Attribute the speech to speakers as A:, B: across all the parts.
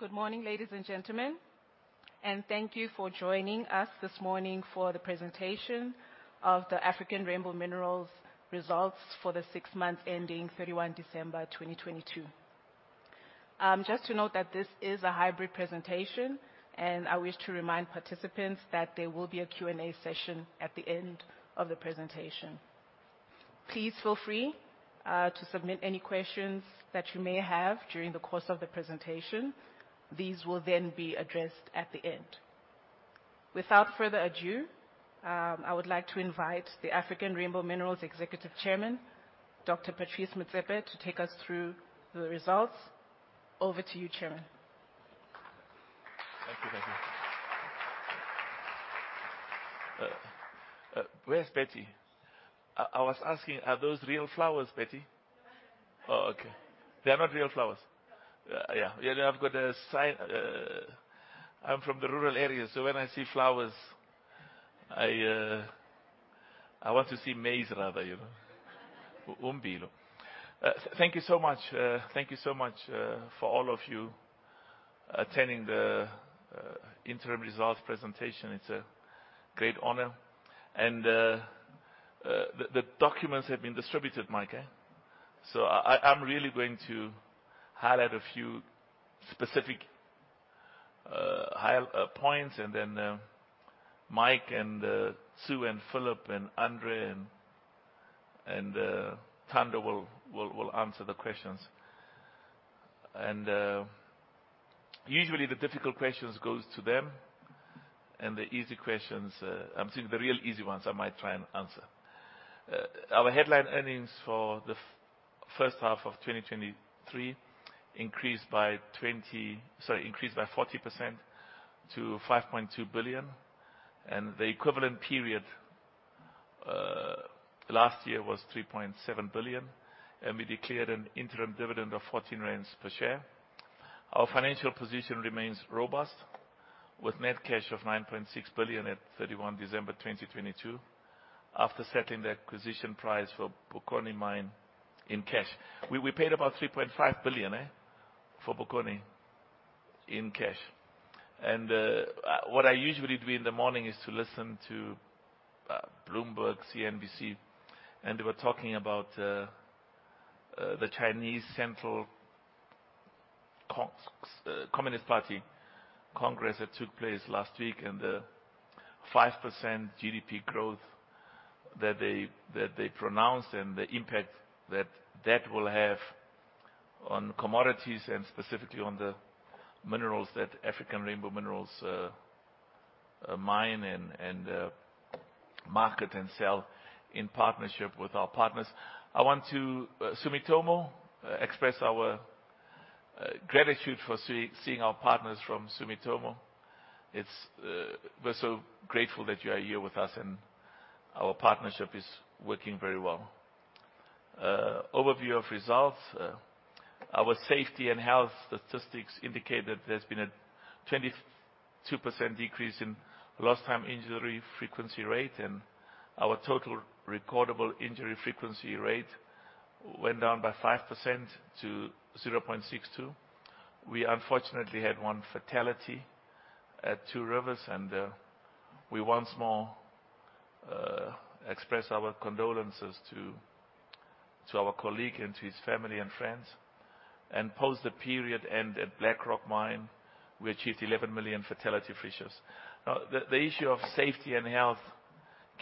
A: Good morning, ladies and gentlemen, thank you for joining us this morning for the presentation of the African Rainbow Minerals results for the six months ending 31 December 2022. Just to note that this is a hybrid presentation, I wish to remind participants that there will be a Q&A session at the end of the presentation. Please feel free to submit any questions that you may have during the course of the presentation. These will be addressed at the end. Without further ado, I would like to invite the African Rainbow Minerals Executive Chairman, Dr. Patrice Motsepe, to take us through the results. Over to you, Chairman.
B: Thank you, Becky. Where's Betty? I was asking, are those real flowers, Betty?
C: They're man-made.
B: Oh, okay. They are not real flowers.
C: No.
B: Yeah. Yeah, they have got a, I'm from the rural area, when I see flowers, I want to see maize rather, you know? Ummbila. Thank you so much. Thank you so much for all of you attending the interim results presentation. It's a great honor. The documents have been distributed, Mike, eh? I'm really going to highlight a few specific high points and then Mike and Sue and Philip and Andre and Thando will answer the questions. Usually the difficult questions goes to them, and the easy questions, I'm thinking the real easy ones I might try and answer. Our headline earnings for the first half of 2023 increased by 40% to 5.2 billion. The equivalent period last year was 3.7 billion, and we declared an interim dividend of 14 rand per share. Our financial position remains robust with net cash of 9.6 billion at December 31, 2022, after settling the acquisition price for Bokoni Mine in cash. We paid about 3.5 billion for Bokoni in cash. What I usually do in the morning is to listen to Bloomberg, CNBC, and they were talking about the Chinese Central Communist Party Congress that took place last week and the 5% GDP growth that they pronounced and the impact that that will have on commodities and specifically on the minerals that African Rainbow Minerals mine and market and sell in partnership with our partners. I want to Sumitomo express our gratitude for seeing our partners from Sumitomo. It's we're so grateful that you are here with us and our partnership is working very well. Overview of results. Our safety and health statistics indicate that there's been a 22% decrease in lost time injury frequency rate, and our total recordable injury frequency rate went down by 5% to 0.62. We unfortunately had one fatality at Two Rivers, and we once more express our condolences to our colleague and to his family and friends. Post the period end at Black Rock Mine, we achieved 11 million fatality free shifts. Now, the issue of safety and health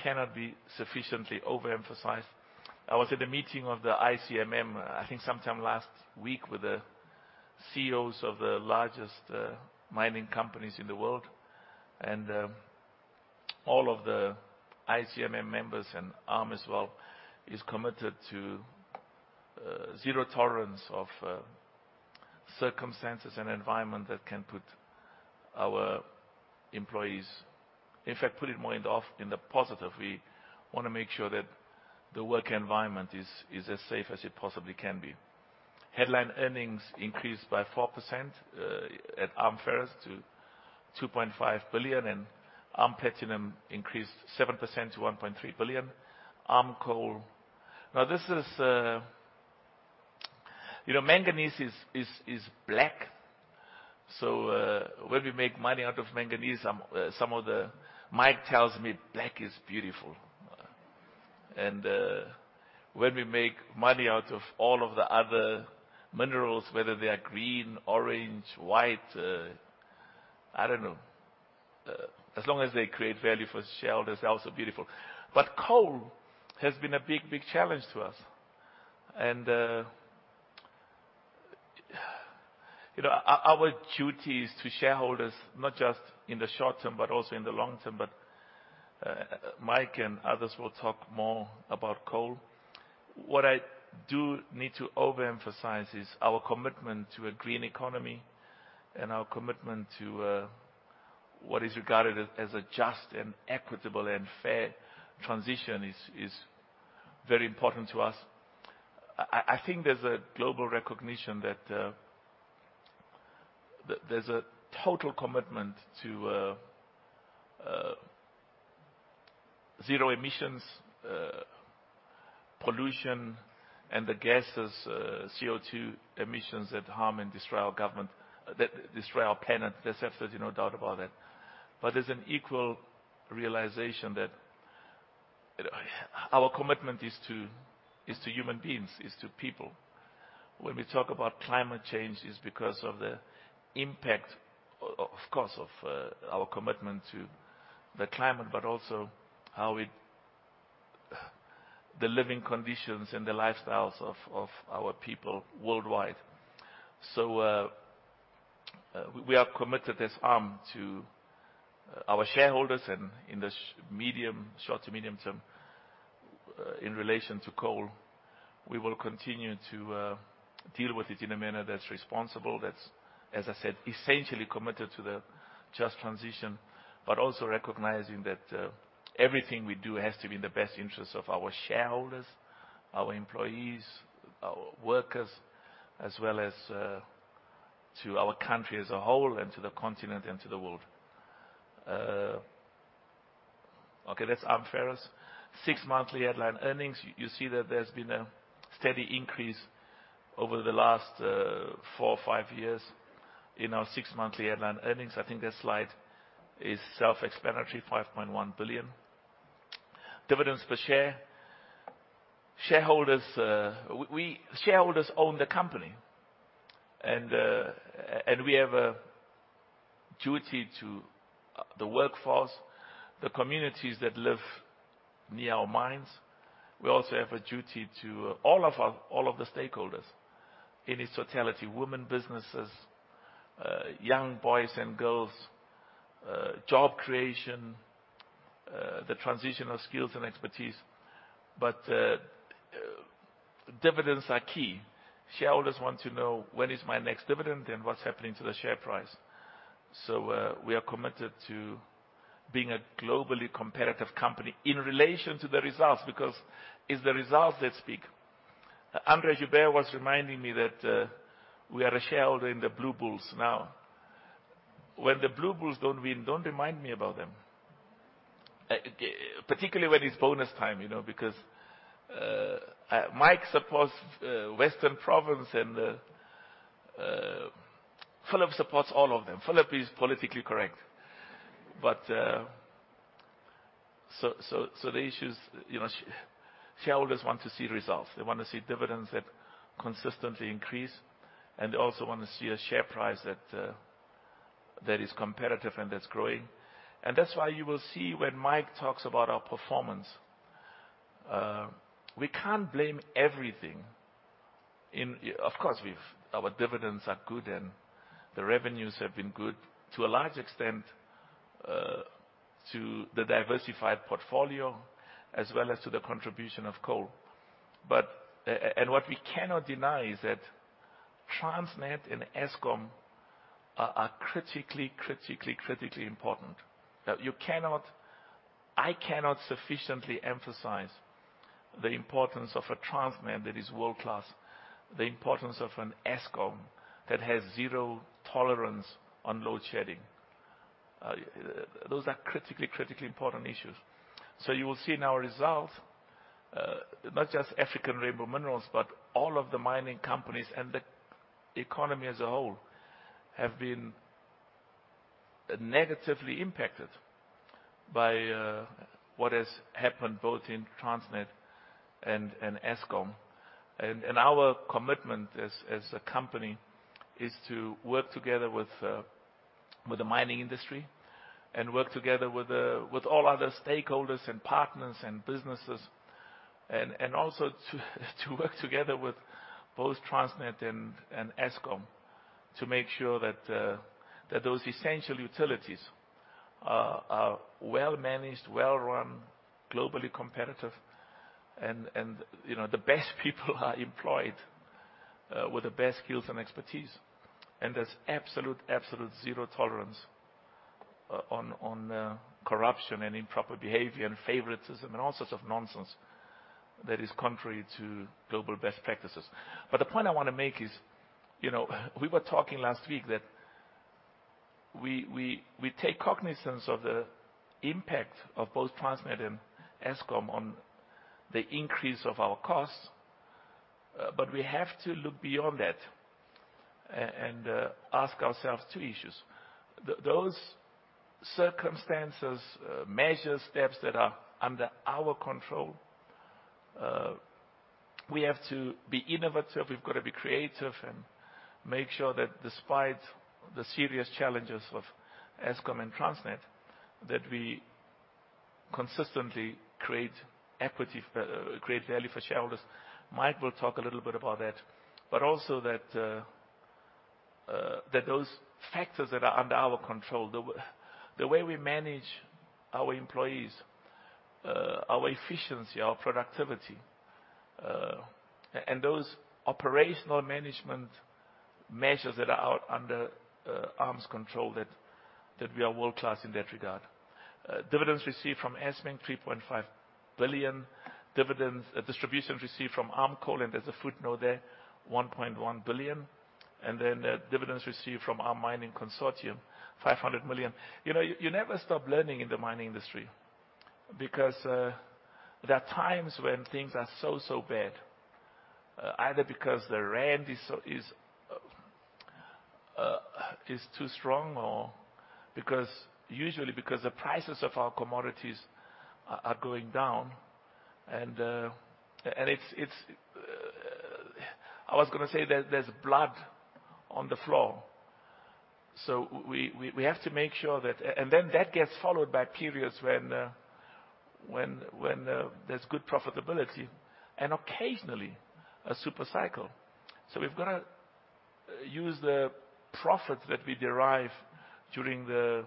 B: cannot be sufficiently overemphasized. I was at a meeting of the ICMM, I think sometime last week, with the CEOs of the largest mining companies in the world, and all of the ICMM members and ARM as well is committed to zero tolerance of circumstances and environment that can put our employees. In fact, put it more in the positive, we wanna make sure that the work environment is as safe as it possibly can be. Headline earnings increased by 4% at ARM Ferrous to 2.5 billion, and ARM Platinum increased 7% to 1.3 billion. ARM Coal. Now this is, you know, manganese is black. When we make money out of manganese, Mike tells me black is beautiful. When we make money out of all of the other minerals, whether they are green, orange, white, I don't know, as long as they create value for shareholders, they're also beautiful. Coal has been a big challenge to us. you know, our duty is to shareholders, not just in the short term, but also in the long term. Mike and others will talk more about coal. What I do need to overemphasize is our commitment to a green economy and our commitment to what is regarded as a just and equitable and fair transition is very important to us. I think there's a global recognition that there's a total commitment to Zero Emissions, pollution and the gases, CO2 emissions that harm and destroy our planet. There's absolutely no doubt about that. There's an equal realization that our commitment is to human beings, is to people. When we talk about climate change is because of the impact, of course, of our commitment to the climate, but also The living conditions and the lifestyles of our people worldwide. We are committed as ARM to our shareholders and in the medium, short to medium term, in relation to coal, we will continue to deal with it in a manner that's responsible, that's, as I said, essentially committed to the just transition, but also recognizing that everything we do has to be in the best interest of our shareholders, our employees, our workers, as well as to our country as a whole and to the continent and to the world. Okay, that's ARM Ferrous. Six monthly headline earnings. You see that there's been a steady increase over the last four or five years in our six monthly headline earnings. I think this slide is self-explanatory, 5.1 billion. Dividends per share. Shareholders, shareholders own the company. We have a duty to the workforce, the communities that live near our mines. We also have a duty to all of our, all of the stakeholders in its totality, women businesses, young boys and girls, job creation, the transition of skills and expertise. Dividends are key. Shareholders want to know when is my next dividend and what's happening to the share price. We are committed to being a globally competitive company in relation to the results, because it's the results that speak. Andre Joubert was reminding me that we are a shareholder in the Blue Bulls now. When the Blue Bulls don't win, don't remind me about them. Particularly when it's bonus time, you know, because Mike supports Western Province and Philip supports all of them. Philip is politically correct. So the issue is, you know, shareholders want to see results. They wanna see dividends that consistently increase, and they also want to see a share price that is competitive and that's growing. That's why you will see when Mike talks about our performance, we can't blame everything in. Of course, our dividends are good and the revenues have been good to a large extent, to the diversified portfolio as well as to the contribution of coal. What we cannot deny is that Transnet and Eskom are critically, critically important. That you cannot. I cannot sufficiently emphasize the importance of a Transnet that is world-class, the importance of an Eskom that has zero tolerance on load shedding. Those are critically important issues. You will see in our results, not just African Rainbow Minerals, but all of the mining companies and the economy as a whole have been negatively impacted by what has happened both in Transnet and Eskom. Our commitment as a company is to work together with the mining industry and work together with all other stakeholders and partners and businesses and also to work together with both Transnet and Eskom to make sure that those essential utilities are well-managed, well-run, globally competitive and, you know, the best people are employed with the best skills and expertise. There's absolute zero tolerance on corruption and improper behavior and favoritism and all sorts of nonsense that is contrary to global best practices. The point I wanna make is, you know, we were talking last week that we take cognizance of the impact of both Transnet and Eskom on the increase of our costs, but we have to look beyond that and ask ourselves two issues. Those circumstances, measure steps that are under our control, we have to be innovative, we've got to be creative and make sure that despite the serious challenges of Eskom and Transnet, that we consistently create equity for, create value for shareholders. Mike will talk a little bit about that. But also that those factors that are under our control, the way we manage our employees, our efficiency, our productivity, and those operational management measures that are out under ARM's control, that we are world-class in that regard. Dividends received from Eskom, 3.5 billion. Distributions received from ARM Coal, and there's a footnote there, 1.1 billion. Dividends received from ARM Mining Consortium, 500 million. You know, you never stop learning in the mining industry because there are times when things are so bad, either because the rand is too strong or usually because the prices of our commodities are going down and it's I was gonna say there's blood on the floor. We have to make sure that gets followed by periods when there's good profitability and occasionally a super cycle. We've gotta use the profits that we derive during the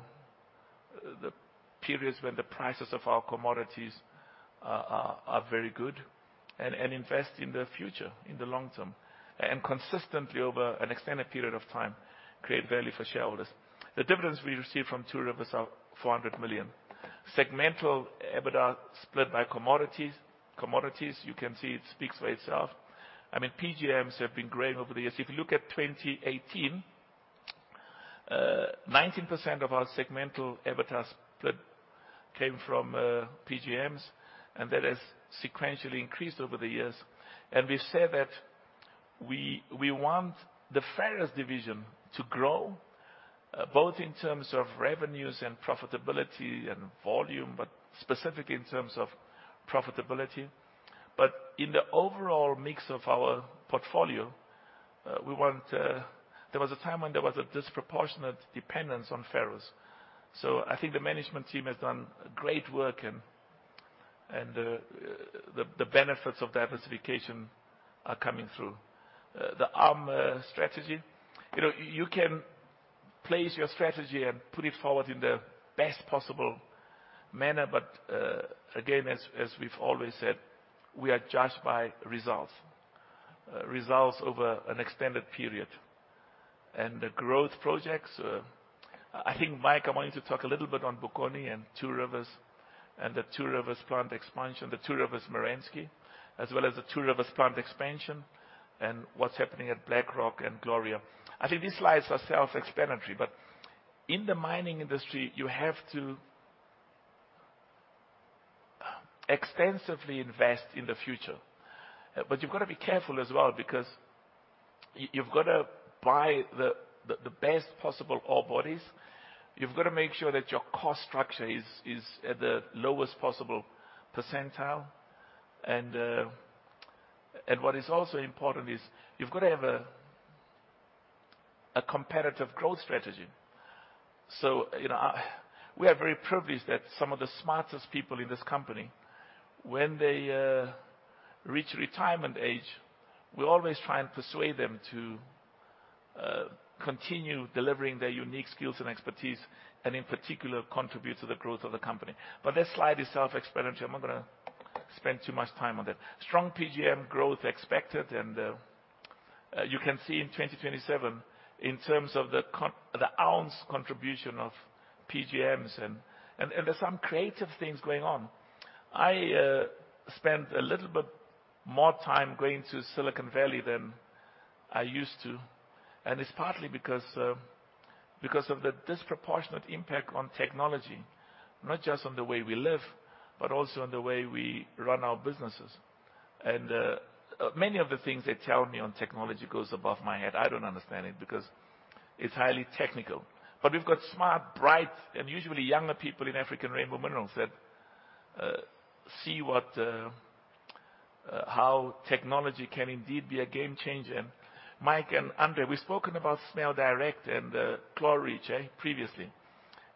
B: periods when the prices of our commodities are very good and invest in the future, in the long term, and consistently over an extended period of time, create value for shareholders. The dividends we receive from Two Rivers are 400 million. Segmental EBITDA split by commodities. Commodities, you can see it speaks for itself. I mean, PGMs have been great over the years. If you look at 2018, 19% of our segmental EBITDA's split came from PGMs, and that has sequentially increased over the years. We say that we want the Ferrous division to grow, both in terms of revenues and profitability and volume, but specifically in terms of profitability. In the overall mix of our portfolio, we want. There was a time when there was a disproportionate dependence on ferrous. I think the management team has done great work and the benefits of diversification are coming through. The ARM strategy. You know, you can place your strategy and put it forward in the best possible manner, but again, as we've always said, we are judged by results over an extended period. The growth projects, I think, Mike, I want you to talk a little bit on Bokoni and Two Rivers and the Two Rivers plant expansion, the Two Rivers Merensky, as well as the Two Rivers plant expansion and what's happening at Black Rock and Gloria. I think these slides are self-explanatory, but in the mining industry, you have to extensively invest in the future. You've got to be careful as well because you've got to buy the best possible ore bodies. You've got to make sure that your cost structure is at the lowest possible percentile. What is also important is you've got to have a competitive growth strategy. You know, we are very privileged that some of the smartest people in this company, when they reach retirement age, we always try and persuade them to continue delivering their unique skills and expertise, and in particular, contribute to the growth of the company. This slide is self-explanatory. I'm not going to spend too much time on that. Strong PGM growth expected, you can see in 2027, in terms of the ounce contribution of PGMs and there's some creative things going on. I spend a little bit more time going to Silicon Valley than I used to, and it's partly because of the disproportionate impact on technology, not just on the way we live, but also on the way we run our businesses. Many of the things they tell me on technology goes above my head. I don't understand it because it's highly technical. We've got smart, bright, and usually younger people in African Rainbow Minerals that see what how technology can indeed be a game changer. Mike and Andre, we've spoken about SmeltDirect and Chlor-Reach previously,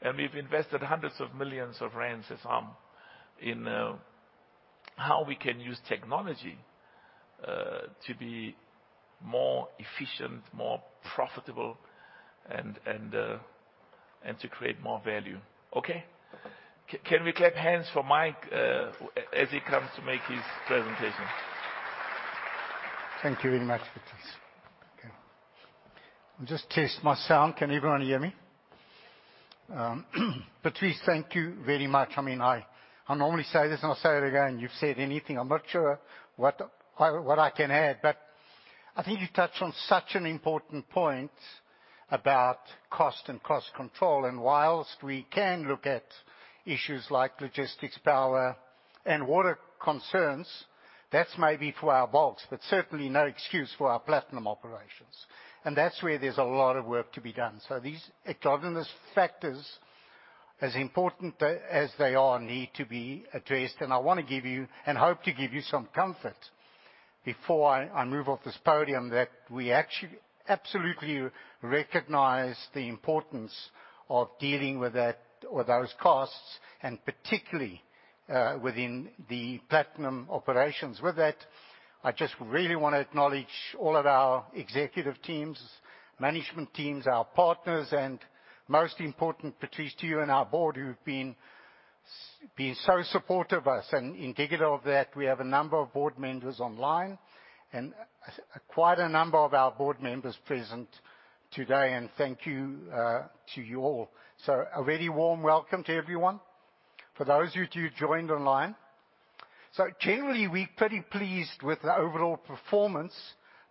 B: and we've invested hundreds of millions of ZAR as ARM in how we can use technology to be more efficient, more profitable and and to create more value. Okay. Can we clap hands for Mike, as he comes to make his presentation?
D: Thank you very much, Patrice. Okay. I'll just test my sound. Can everyone hear me? Patrice, thank you very much. I mean, I normally say this, and I'll say it again. You've said anything. I'm not sure what I can add, but I think you touched on such an important point about cost and cost control. Whilst we can look at issues like logistics, power, and water concerns, that's maybe for our bolts, but certainly no excuse for our platinum operations. That's where there's a lot of work to be done. These exogenous factors, as important as they are, need to be addressed. I wanna give you, and hope to give you some comfort before I move off this podium, that we absolutely recognize the importance of dealing with that, with those costs, and particularly within the platinum operations. With that, I just really wanna acknowledge all of our executive teams, management teams, our partners, and most important, Patrice, to you and our board, who've been so supportive of us. And in vigor of that, we have a number of board members online and quite a number of our board members present today, and thank you to you all. A very warm welcome to everyone. For those of you who joined online. Generally, we're pretty pleased with the overall performance,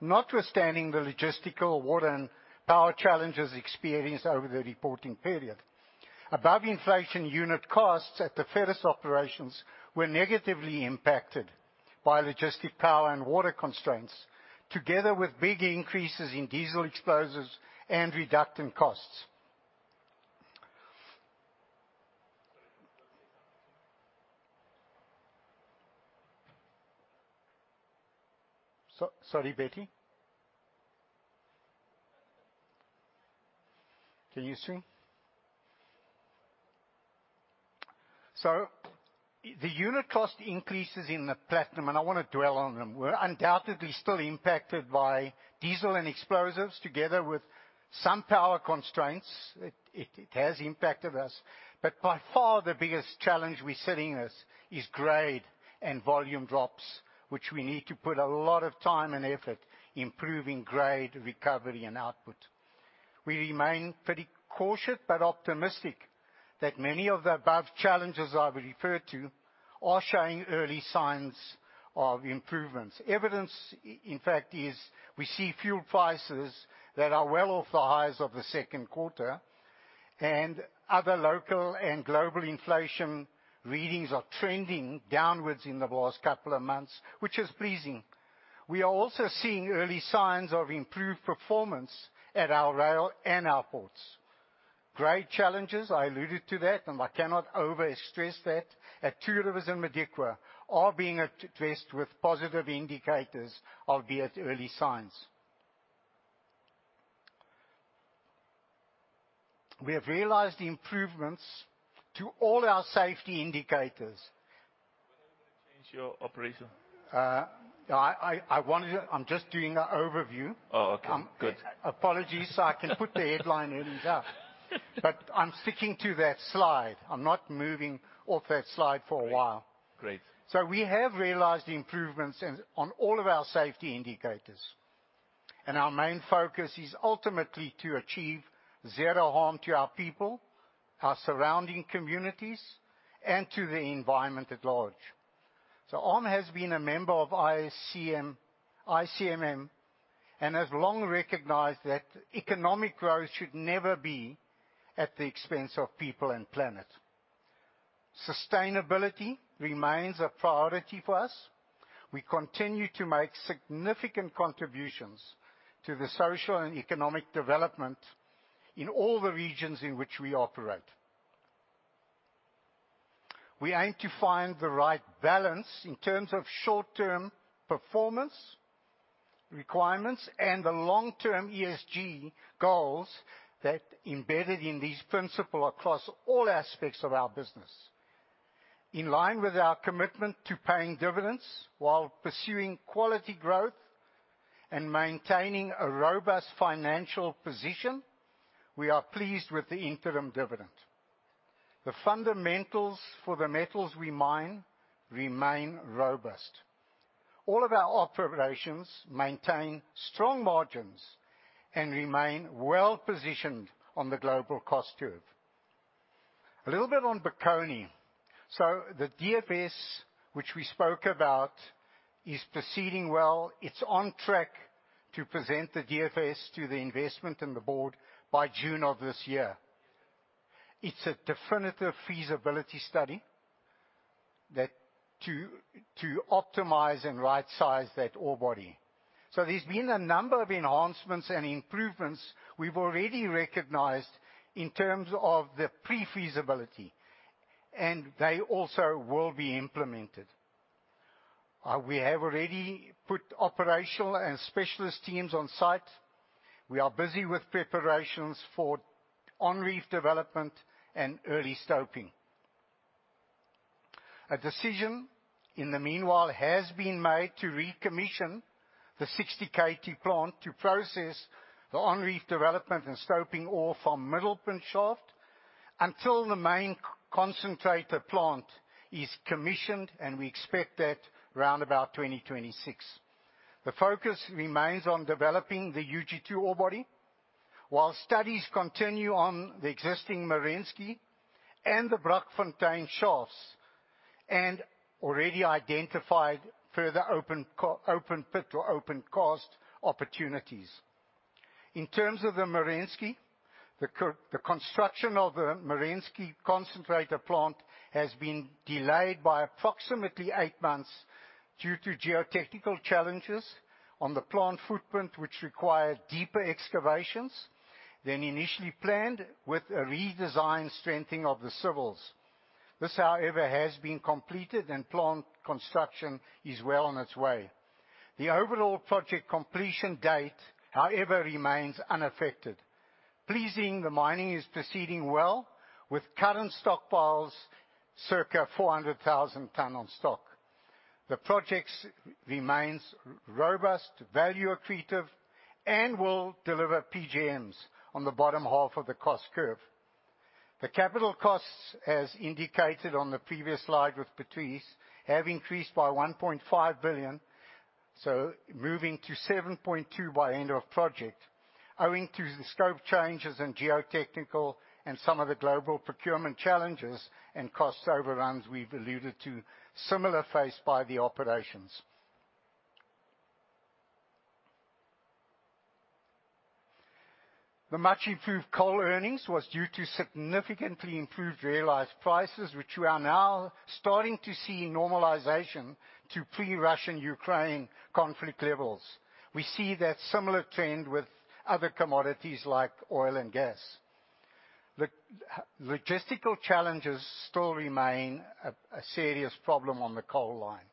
D: notwithstanding the logistical, water, and power challenges experienced over the reporting period. Above-inflation unit costs at the Ferrous operations were negatively impacted by logistical power and water constraints, together with big increases in diesel explosives and reductant costs. Sorry, Betty. Can you see? The unit cost increases in the platinum, and I wanna dwell on them, were undoubtedly still impacted by diesel and explosives, together with some power constraints. It has impacted us, but by far the biggest challenge we're sitting is grade and volume drops, which we need to put a lot of time and effort improving grade recovery and output. We remain pretty cautious but optimistic that many of the above challenges I referred to are showing early signs of improvements. Evidence in fact is we see fuel prices that are well off the highs of the second quarter and other local and global inflation readings are trending downwards in the last couple of months, which is pleasing. We are also seeing early signs of improved performance at our rail and our ports. Great challenges, I alluded to that, and I cannot overstress that at Two Rivers and Modikwa are being addressed with positive indicators, albeit early signs. We have realized improvements to all our safety indicators.
B: When will you change your operation?
D: I'm just doing an overview.
B: Oh, okay. Good.
D: Apologies. I can put the headline in and out. I'm sticking to that slide. I'm not moving off that slide for a while.
B: Great. Great.
D: We have realized improvements on all of our safety indicators. Our main focus is ultimately to achieve zero harm to our people, our surrounding communities, and to the environment at large. ARM has been a member of ICMM and has long recognized that economic growth should never be at the expense of people and planet. Sustainability remains a priority for us. We continue to make significant contributions to the social and economic development in all the regions in which we operate. We aim to find the right balance in terms of short-term performance requirements and the long-term ESG goals that embedded in these principle across all aspects of our business. In line with our commitment to paying dividends while pursuing quality growth and maintaining a robust financial position, we are pleased with the interim dividend. The fundamentals for the metals we mine remain robust. All of our operations maintain strong margins and remain well-positioned on the global cost curve. A little bit on Bokoni. The DFS, which we spoke about, is proceeding well. It's on track to present the DFS to the investment and the board by June of this year. It's a definitive feasibility study that to optimize and rightsize that ore body. There's been a number of enhancements and improvements we've already recognized in terms of the pre-feasibility, and they also will be implemented. We have already put operational and specialist teams on site. We are busy with preparations for on-reef development and early stoping. A decision in the meanwhile has been made to recommission the 60 KT plant to process the on-reef development and stoping ore from Middelpunt Shaft until the main concentrator plant is commissioned, and we expect that round about 2026. The focus remains on developing the UG2 ore body while studies continue on the existing Merensky and the Brakfontein shafts and already identified further open pit or open cost opportunities. In terms of the Merensky, the construction of the Merensky concentrator plant has been delayed by approximately eight months due to geotechnical challenges on the plant footprint, which require deeper excavations than initially planned with a redesigned strengthening of the civils. This, however, has been completed and plant construction is well on its way. The overall project completion date, however, remains unaffected. Pleasing, the mining is proceeding well with current stockpiles circa 400,000 tons on stock. The projects remains robust, value accretive, and will deliver PGMs on the bottom half of the cost curve. The capital costs, as indicated on the previous slide with Patrice, have increased by 1.5 billion, so moving to 7.2 billion by end of project, owing to the scope changes in geotechnical and some of the global procurement challenges and cost overruns we've alluded to, similar faced by the operations. The much improved coal earnings was due to significantly improved realized prices, which we are now starting to see normalization to pre-Russian, Ukraine conflict levels. We see that similar trend with other commodities like oil and gas. The logistical challenges still remain a serious problem on the coal line.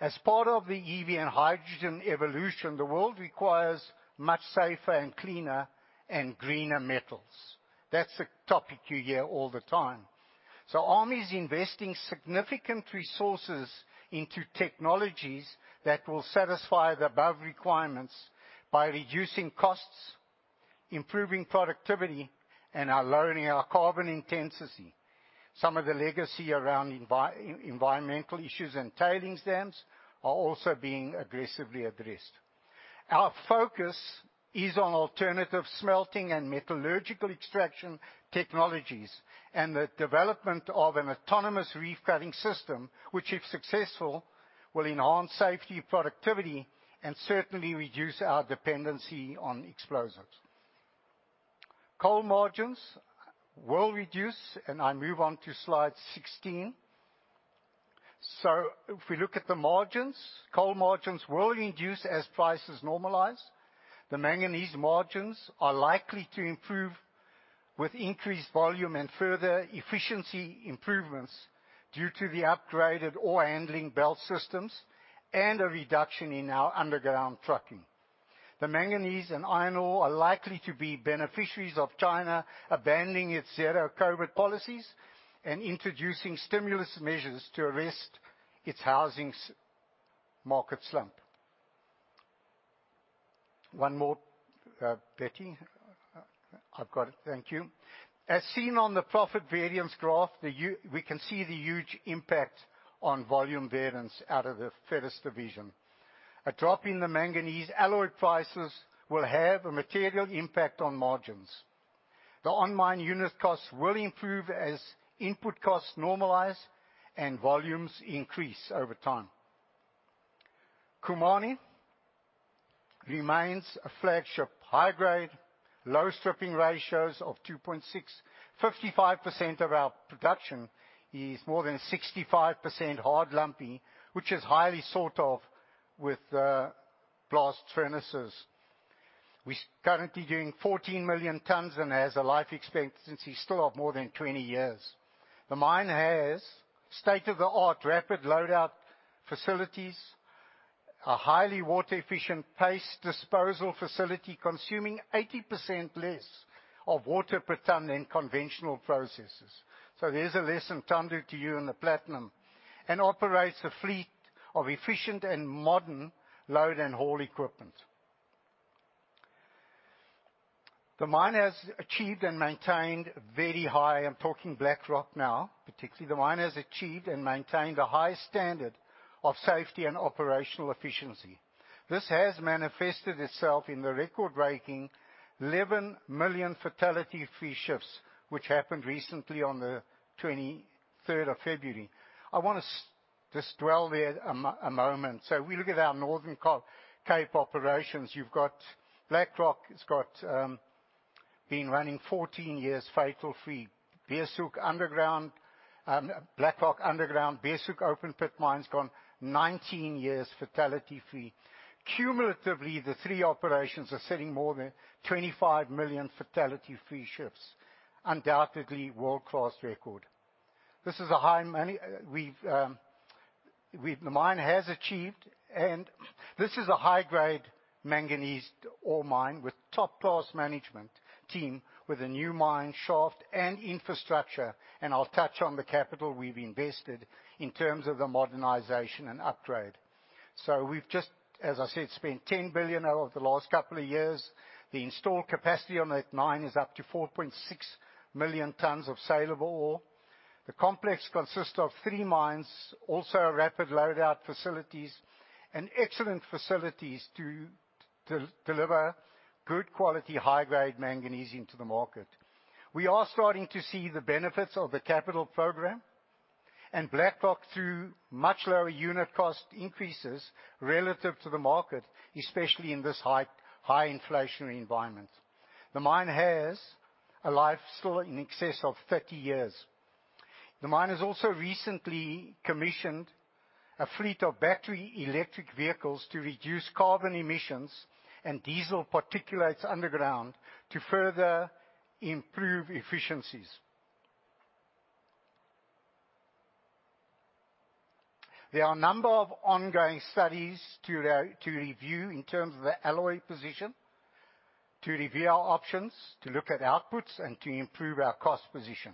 D: As part of the EV and hydrogen evolution, the world requires much safer and cleaner and greener metals. That's a topic you hear all the time. ARM is investing significant resources into technologies that will satisfy the above requirements by reducing costs, improving productivity, and are lowering our carbon intensity. Some of the legacy around environmental issues and tailing dams are also being aggressively addressed. Our focus is on alternative smelting and metallurgical extraction technologies, and the development of an autonomous ref cutting system, which, if successful, will enhance safety, productivity, and certainly reduce our dependency on explosives. Coal margins will reduce, and I move on to slide 16. If we look at the margins, coal margins will reduce as prices normalize. The manganese margins are likely to improve with increased volume and further efficiency improvements due to the upgraded ore handling belt systems and a reduction in our underground trucking. The manganese and iron ore are likely to be beneficiaries of China abandoning its zero-COVID policies and introducing stimulus measures to arrest its housing market slump. One more, Betty. I've got it. Thank you. As seen on the profit variance graph, we can see the huge impact on volume variance out of the Ferrous division. A drop in the manganese alloy prices will have a material impact on margins. The on-mine unit costs will improve as input costs normalize and volumes increase over time. Khumani remains a flagship high grade, low stripping ratios of 2.6. 55% of our production is more than 65% hard lumpy, which is highly sought of with blast furnaces. We're currently doing 14 million tons and has a life expectancy still of more than 20 years. The mine has state-of-the-art rapid load-out facilities, a highly water-efficient paste disposal facility consuming 80% less of water per ton than conventional processes. There's a lesson Thando to you in the Platinum. Operates a fleet of efficient and modern load and haul equipment. The mine has achieved and maintained very high, I'm talking Black Rock now, particularly. The mine has achieved and maintained a high standard of safety and operational efficiency. This has manifested itself in the record-breaking 11 million fatality free shifts, which happened recently on the February 23rd. I wanna just dwell there a moment. We look at our Northern Cape operations. You've got Black Rock, it's got been running 14 years fatal-free. Beeshoek Underground, Black Rock Underground, Beeshoek open pit mine's gone 19 years fatality-free. Cumulatively, the three operations are sitting more than 25 million fatality free shifts. Undoubtedly world-class record. The mine has achieved, this is a high-grade manganese ore mine with top class management team, with a new mine shaft and infrastructure, and I'll touch on the capital we've invested in terms of the modernization and upgrade. We've just, as I said, spent 10 billion over the last couple of years. The installed capacity on that mine is up to 4.6 million tons of saleable ore. The complex consists of three mines, also rapid load-out facilities and excellent facilities to deliver good quality, high grade manganese into the market. We are starting to see the benefits of the capital program and Black Rock through much lower unit cost increases relative to the market, especially in this high inflationary environment. The mine has a life still in excess of 30 years. The mine has also recently commissioned a fleet of battery electric vehicles to reduce carbon emissions and diesel particulates underground to further improve efficiencies. There are a number of ongoing studies to review in terms of the alloy position, to review our options, to look at outputs and to improve our cost position.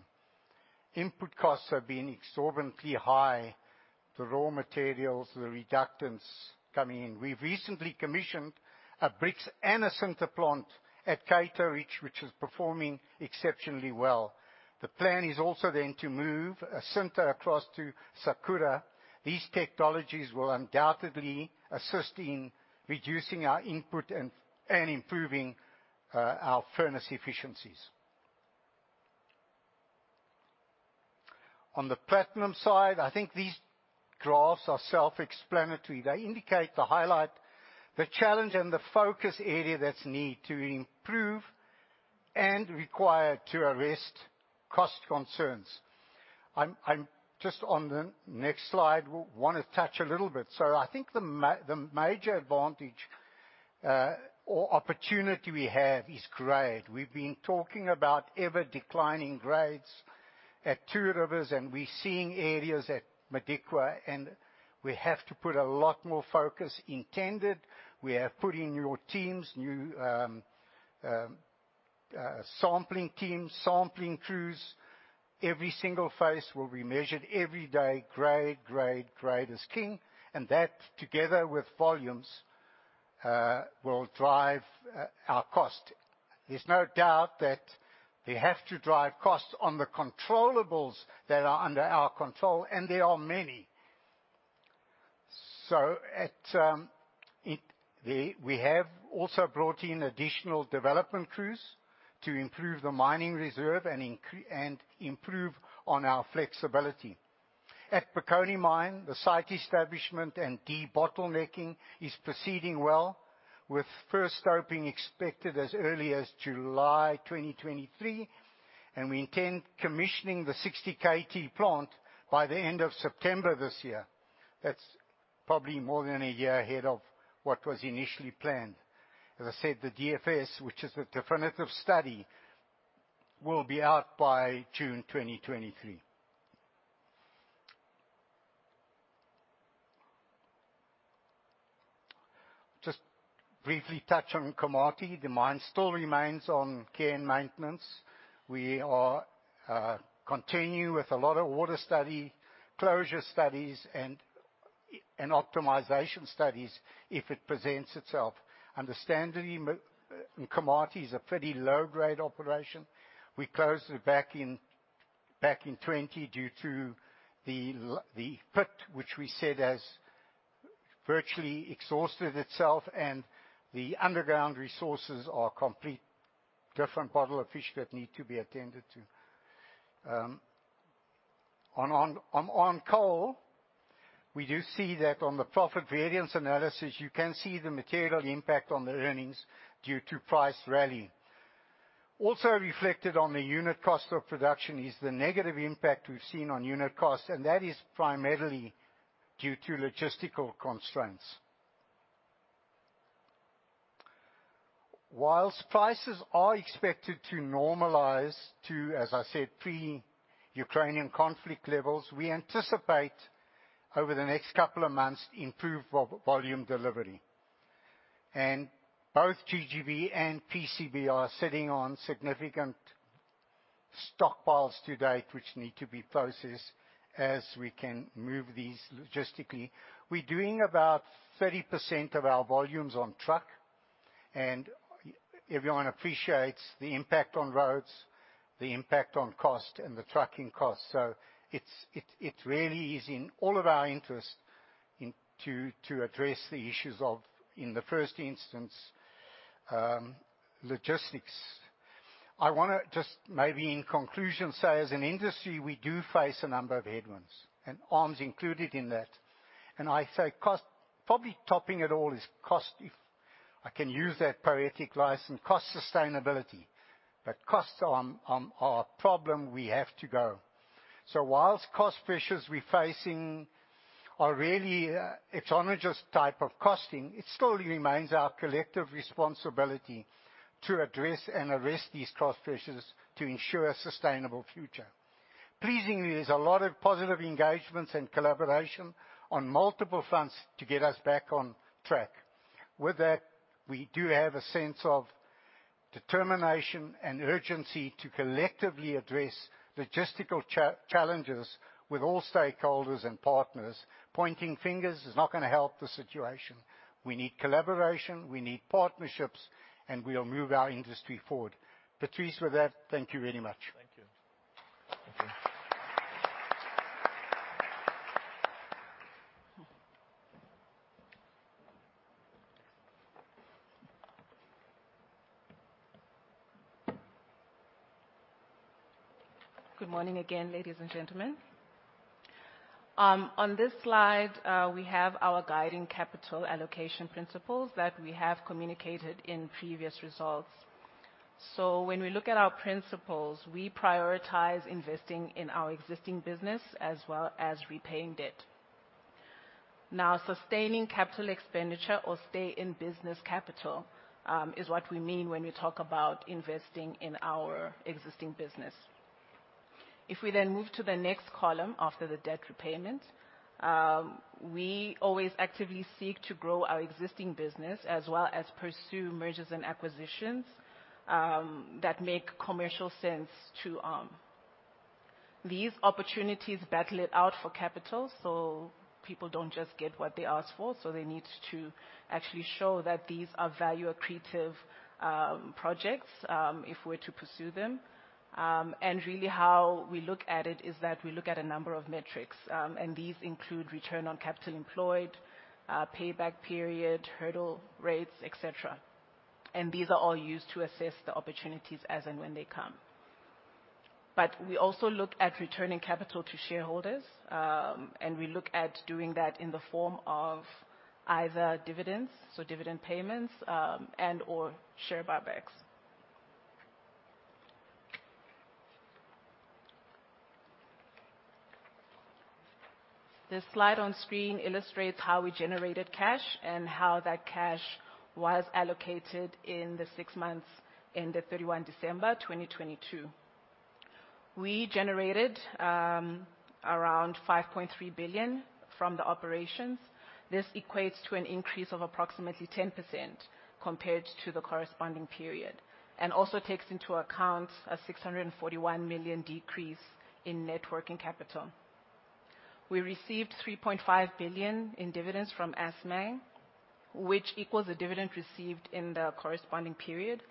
D: Input costs have been exorbitantly high. The raw materials, the reductants coming in. We recently commissioned a bricks and a sinter plant at Cato Ridge which is performing exceptionally well. The plan is also then to move a sinter across to Sakura. These technologies will undoubtedly assist in reducing our input and improving our furnace efficiencies. On the platinum side, I think these graphs are self-explanatory. They indicate the highlight, the challenge and the focus area that's need to improve and require to arrest cost concerns. I'm just on the next slide, wanna touch a little bit. I think the major advantage or opportunity we have is grade. We've been talking about ever declining grades at Two Rivers, and we're seeing areas at Modikwa, and we have to put a lot more focus intended. We have put in new teams, new sampling teams, sampling crews. Every single phase will be measured every day. Grade, grade is king. That, together with volumes, will drive our cost. There's no doubt that we have to drive costs on the controllables that are under our control, and they are many. We have also brought in additional development crews to improve the mining reserve and improve on our flexibility. At Bokoni Mine, the site establishment and debottlenecking is proceeding well, with first stoping expected as early as July 2023. We intend commissioning the 60 KT plant by the end of September this year. That's probably more than a year ahead of what was initially planned. As I said, the DFS, which is the definitive study, will be out by June 2023. Just briefly touch on Komati. The mine still remains on care and maintenance. We continue with a lot of water study, closure studies and optimization studies if it presents itself. Understandably, Komati is a pretty low-grade operation. We closed it back in 2020 due to the pit, which we said has virtually exhausted itself and the underground resources are complete different bottle of fish that need to be attended to. On coal, we do see that on the profit variance analysis, you can see the material impact on the earnings due to price rally. Also reflected on the unit cost of production is the negative impact we've seen on unit costs, and that is primarily due to logistical constraints. Whilst prices are expected to normalize to, as I said, pre-Ukrainian conflict levels, we anticipate over the next couple of months improved volume delivery. Both GGV and PCB are sitting on significant stockpiles to date, which need to be processed as we can move these logistically. We're doing about 30% of our volumes on truck. Everyone appreciates the impact on roads, the impact on cost and the trucking cost. It really is in all of our interest to address the issues of, in the first instance, logistics. I wanna just maybe in conclusion say as an industry, we do face a number of headwinds and ARM's included in that. I say cost, probably topping it all is cost if I can use that poetic license, cost sustainability. Costs are a problem we have to go. Whilst cost pressures we're facing are really exogenous type of costing, it still remains our collective responsibility to address and arrest these cost pressures to ensure a sustainable future. Pleasingly, there's a lot of positive engagements and collaboration on multiple fronts to get us back on track. With that, we do have a sense of determination and urgency to collectively address logistical challenges with all stakeholders and partners. Pointing fingers is not gonna help the situation. We need collaboration, we need partnerships, and we'll move our industry forward. Patrice, with that, thank you very much.
B: Thank you.
D: Thank you.
A: Good morning again, ladies and gentlemen. On this slide, we have our guiding capital allocation principles that we have communicated in previous results. When we look at our principles, we prioritize investing in our existing business as well as repaying debt. Now, sustaining capital expenditure or stay in business capital, is what we mean when we talk about investing in our existing business. If we move to the next column after the debt repayment, we always actively seek to grow our existing business as well as pursue mergers and acquisitions that make commercial sense to ARM. These opportunities battle it out for capital, so people don't just get what they ask for. They need to actually show that these are value-accretive projects if we're to pursue them. Really how we look at it is that we look at a number of metrics, and these include return on capital employed, payback period, hurdle rates, et cetera. These are all used to assess the opportunities as and when they come. We also look at returning capital to shareholders, and we look at doing that in the form of either dividends, so dividend payments, and/or share buybacks. The slide on screen illustrates how we generated cash and how that cash was allocated in the six months ending December 31, 2022. We generated around 5.3 billion from the operations. This equates to an increase of approximately 10% compared to the corresponding period, and also takes into account a 641 million decrease in net working capital. We received 3.5 billion in dividends from Assmang, which equals the dividend received in the corresponding period.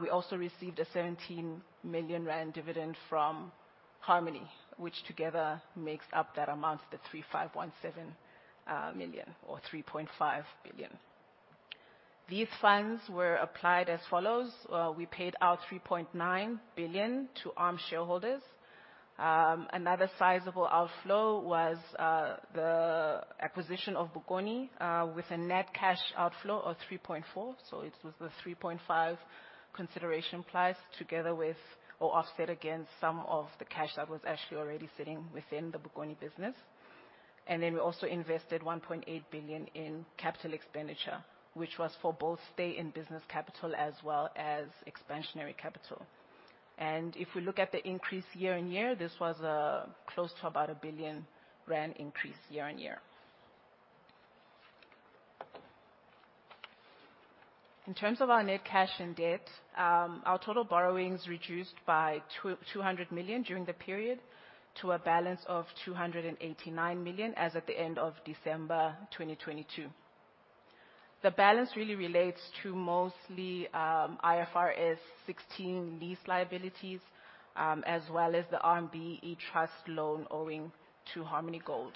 A: We also received a 17 million rand dividend from Harmony, which together makes up that amount, the 3,517 million or 3.5 billion. These funds were applied as follows: We paid out 3.9 billion to ARM shareholders. Another sizable outflow was the acquisition of Bokoni, with a net cash outflow of 3.4 billion. It was the 3.5 billion consideration price together with or offset against some of the cash that was actually already sitting within the Bokoni business. Then we also invested 1.8 billion in capital expenditure, which was for both stay-in-business capital as well as expansionary capital. If we look at the increase year-on-year, this was close to about 1 billion rand increase year-on-year. In terms of our net cash and debt, our total borrowings reduced by 200 million during the period to a balance of 289 million as at the end of December 2022. The balance really relates to mostly IFRS 16 lease liabilities, as well as the RMB ETrust loan owing to Harmony Gold.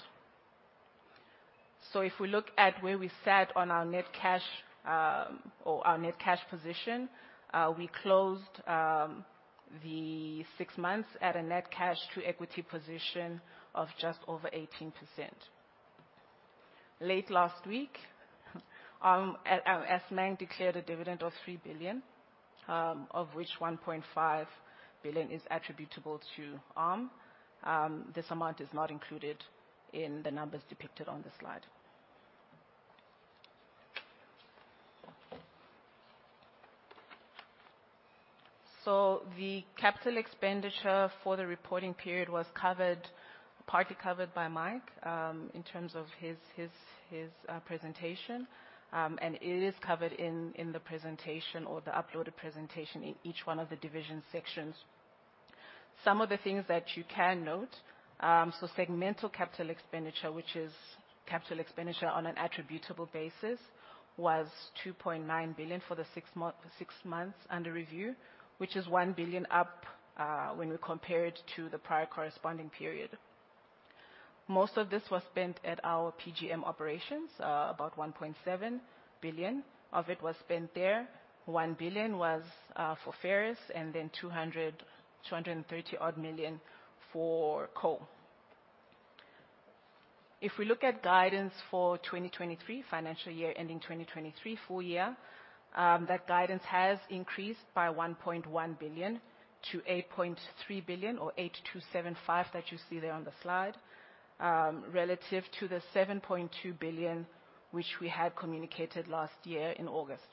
A: If we look at where we sat on our net cash, or our net cash position, we closed the six months at a net cash to equity position of just over 18%. Late last week, Assmang declared a dividend of 3 billion, of which 1.5 billion is attributable to ARM. This amount is not included in the numbers depicted on the slide. The capital expenditure for the reporting period was covered, partly covered by Mike, in terms of his presentation. It is covered in the presentation or the uploaded presentation in each one of the division sections. Some of the things that you can note, segmental capital expenditure, which is capital expenditure on an attributable basis, was 2.9 billion for the six months under review, which is 1 billion up, when we compare it to the prior corresponding period. Most of this was spent at our PGM operations. About 1.7 billion of it was spent there. 1 billion was for ferrous and then 230 odd million for coal. If we look at guidance for 2023, financial year ending 2023, full year, that guidance has increased by 1.1 billion-8.3 billion or 8,275 that you see there on the slide, relative to the 7.2 billion which we had communicated last year in August.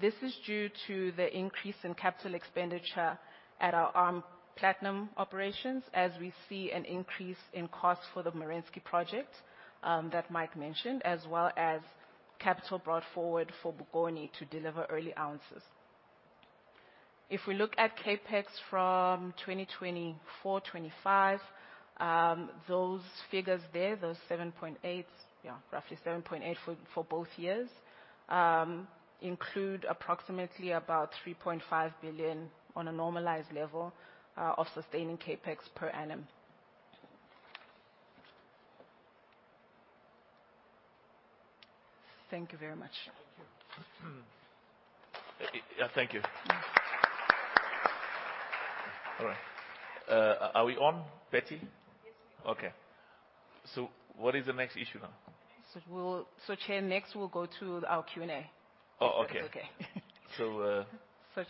A: This is due to the increase in capital expenditure at our ARM Platinum operations as we see an increase in costs for the Merensky project, that Mike mentioned, as well as capital brought forward for Bokoni to deliver early ounces. If we look at CapEx from 2024, 2025, those figures there, those 7.8s, roughly 7.8 for both years, include approximately about 3.5 billion on a normalized level of sustaining CapEx per annum. Thank you very much.
B: Thank you. Yeah, thank you.
A: Yeah.
B: All right. Are we on, Betty?
E: Yes, we are.
B: Okay. What is the next issue now?
A: Chair, next we'll go to our Q&A.
B: Oh, okay.
A: If that's okay.
B: So, uh-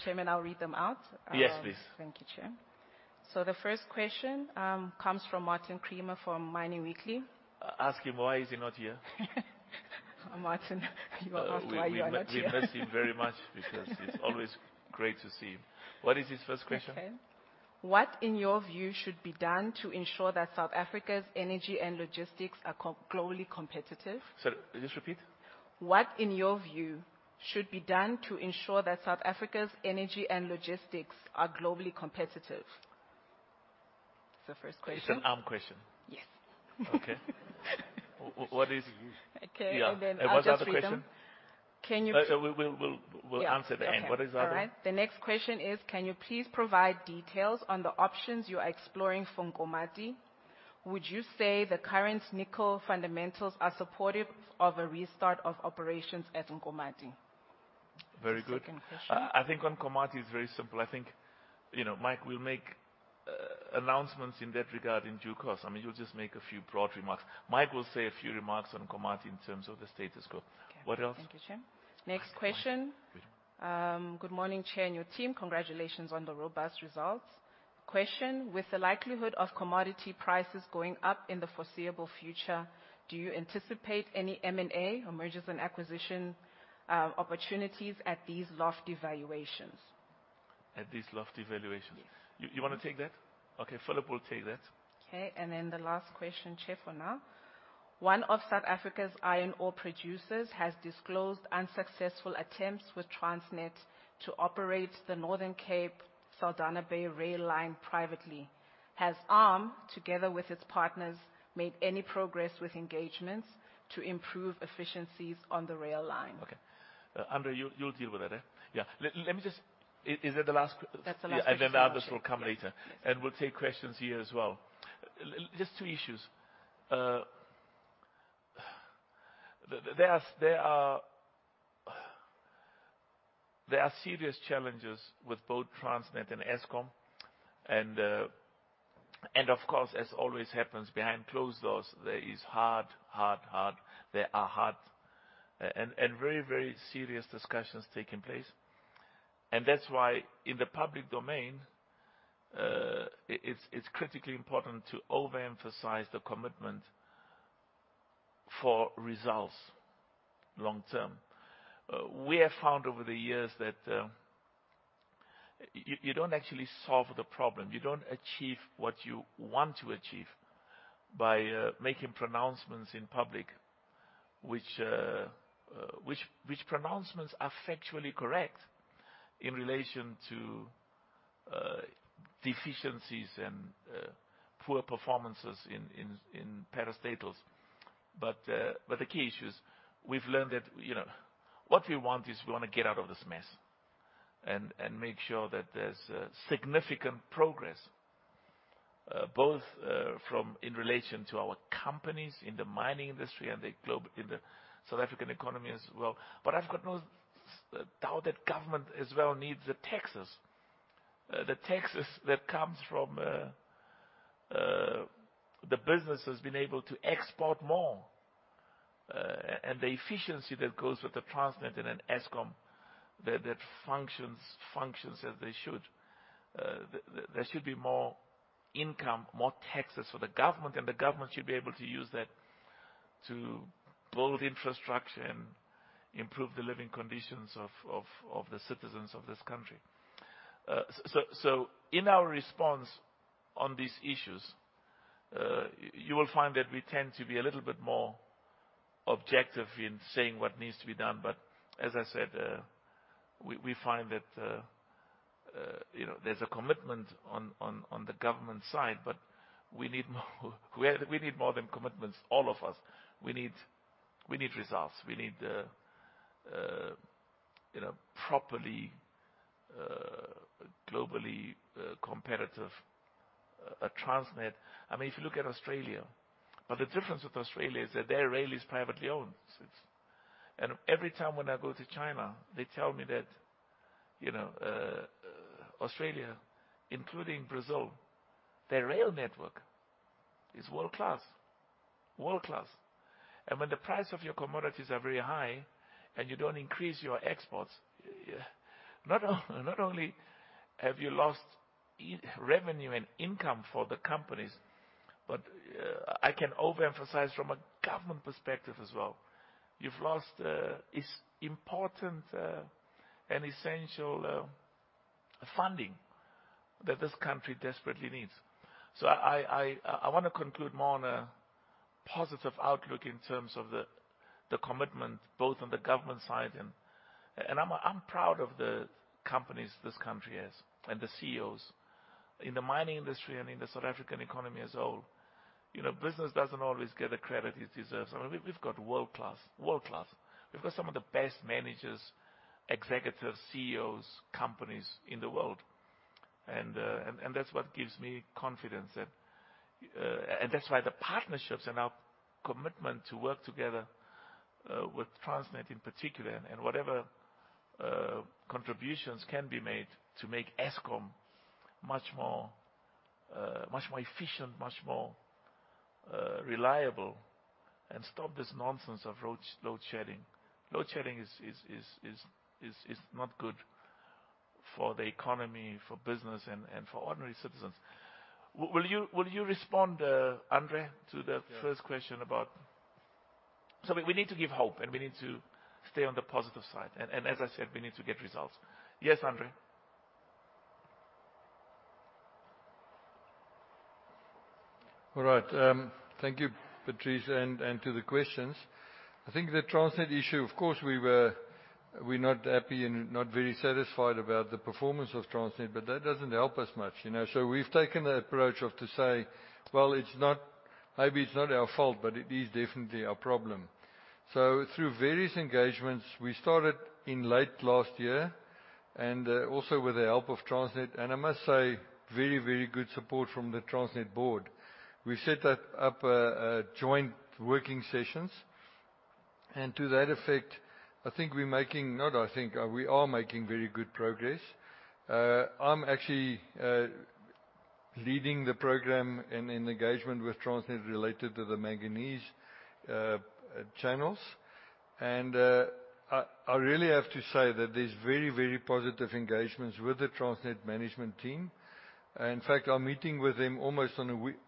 A: Chairman, I'll read them out.
B: Yes, please.
A: Thank you, Chair. The first question comes from Martin Creamer from Mining Weekly.
B: Ask him why is he not here.
A: Martin, you are asked why you are not here.
B: We miss him very much because it's always great to see him. What is his first question?
A: Okay. What, in your view, should be done to ensure that South Africa's energy and logistics are globally competitive?
B: Sorry, just repeat.
A: What, in your view, should be done to ensure that South Africa's energy and logistics are globally competitive? That's the first question.
B: It's an ARM question.
A: Yes.
B: Okay. What is-
A: Okay. I'll just read them.
B: Yeah. What's the other question?
A: Can you-
B: We'll answer at the end.
A: Yeah. Okay. All right.
B: What is the other one?
A: The next question is, can you please provide details on the options you are exploring for Nkomati? Would you say the current nickel fundamentals are supportive of a restart of operations at Nkomati?
B: Very good.
A: The second question.
B: I think Nkomati is very simple. I think, you know, Mike will make announcements in that regard in due course. I mean, he'll just make a few broad remarks. Mike will say a few remarks on Nkomati in terms of the status quo.
A: Okay.
B: What else?
A: Thank you, Chair. Next question.
B: Please.
A: Good morning, Chair and your team. Congratulations on the robust results. Question, with the likelihood of commodity prices going up in the foreseeable future, do you anticipate any M&A or mergers and acquisition opportunities at these lofty valuations?
B: At these lofty valuations.
A: Yes.
B: You wanna take that? Okay, Philip will take that.
A: Okay. The last question, Chair, for now. One of South Africa's iron ore producers has disclosed unsuccessful attempts with Transnet to operate the Northern Cape Saldanha Bay rail line privately. Has ARM, together with its partners, made any progress with engagements to improve efficiencies on the rail line?
B: Okay. Andre, you'll deal with that, eh? Yeah. Let me just... Is that the last?
A: That's the last question.
B: Yeah. The others will come later.
A: Yes.
B: We'll take questions here as well. Just two issues. The, there are serious challenges with both Transnet and Eskom and of course, as always happens behind closed doors, there is hard, there are hard and very serious discussions taking place. That's why in the public domain, it's critically important to overemphasize the commitment for results long term. We have found over the years that, you don't actually solve the problem. You don't achieve what you want to achieve by making pronouncements in public, which pronouncements are factually correct in relation to deficiencies and poor performances in parastatals. The key issue is we've learned that, you know, what we want is we wanna get out of this mess and make sure that there's significant progress, both from in relation to our companies in the mining industry and the globe, in the South African economy as well. I've got no doubt that government as well needs the taxes. The taxes that comes from the business has been able to export more, and the efficiency that goes with the Transnet and an Eskom that functions as they should. There should be more income, more taxes for the government, and the government should be able to use that to build infrastructure and improve the living conditions of the citizens of this country. So, so in our response on these issues, you will find that we tend to be a little bit more objective in saying what needs to be done. As I said, we find that, you know, there's a commitment on the government side, but we need more, we need more than commitments, all of us. We need results. We need, you know, properly, globally, competitive Transnet. I mean, if you look at Australia, but the difference with Australia is that their rail is privately owned since. Every time when I go to China, they tell me that, you know, Australia, including Brazil, their rail network is world-class. World-class. When the price of your commodities are very high and you don't increase your exports, not only have you lost revenue and income for the companies, but, I can overemphasize from a government perspective as well, you've lost this important and essential funding that this country desperately needs. I wanna conclude more on a positive outlook in terms of the commitment both on the government side. I'm proud of the companies this country has and the CEOs. In the mining industry and in the South African economy as a whole, you know, business doesn't always get the credit it deserves. I mean, we've got world-class. We've got some of the best managers, executives, CEOs, companies in the world. That's what gives me confidence. That's why the partnerships and our commitment to work together with Transnet in particular, and whatever contributions can be made to make Eskom much more efficient, much more reliable, and stop this nonsense of load shedding. Load shedding is not good for the economy, for business, and for ordinary citizens. Will you respond, Andre, to the first question about. We need to give hope, and we need to stay on the positive side. As I said, we need to get results. Yes, Andre.
F: All right. Thank you, Patrice, and to the questions. I think the Transnet issue, of course, we're not happy and not very satisfied about the performance of Transnet, but that doesn't help us much, you know. We've taken the approach of to say, "Well, it's not maybe it's not our fault, but it is definitely our problem." Through various engagements, we started in late last year, also with the help of Transnet, and I must say, very, very good support from the Transnet board. We set up joint working sessions. To that effect, I think we're making, not I think, we are making very good progress. I'm actually leading the program in engagement with Transnet related to the manganese channels. I really have to say that there's very, very positive engagements with the Transnet management team. In fact, I'm meeting with them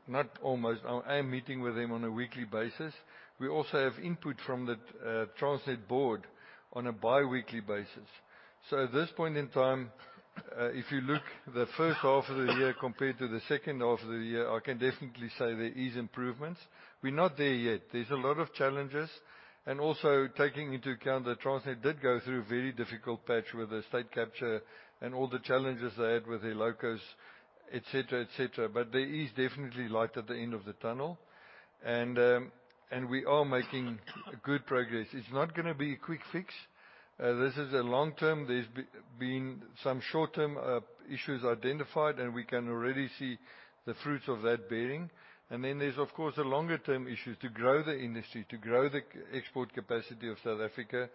F: not almost, I'm meeting with them on a weekly basis. We also have input from the Transnet board on a bi-weekly basis. At this point in time, if you look the first half of the year compared to the second half of the year, I can definitely say there is improvements. We're not there yet. There's a lot of challenges, and also taking into account that Transnet did go through a very difficult patch with the state capture and all the challenges they had with their locals, et cetera, et cetera. There is definitely light at the end of the tunnel. We are making good progress. It's not gonna be a quick fix. This is a long-term. There's been some short-term issues identified, and we can already see the fruits of that bearing. Then there's, of course, the longer-term issues to grow the industry, to grow the export capacity of South Africa.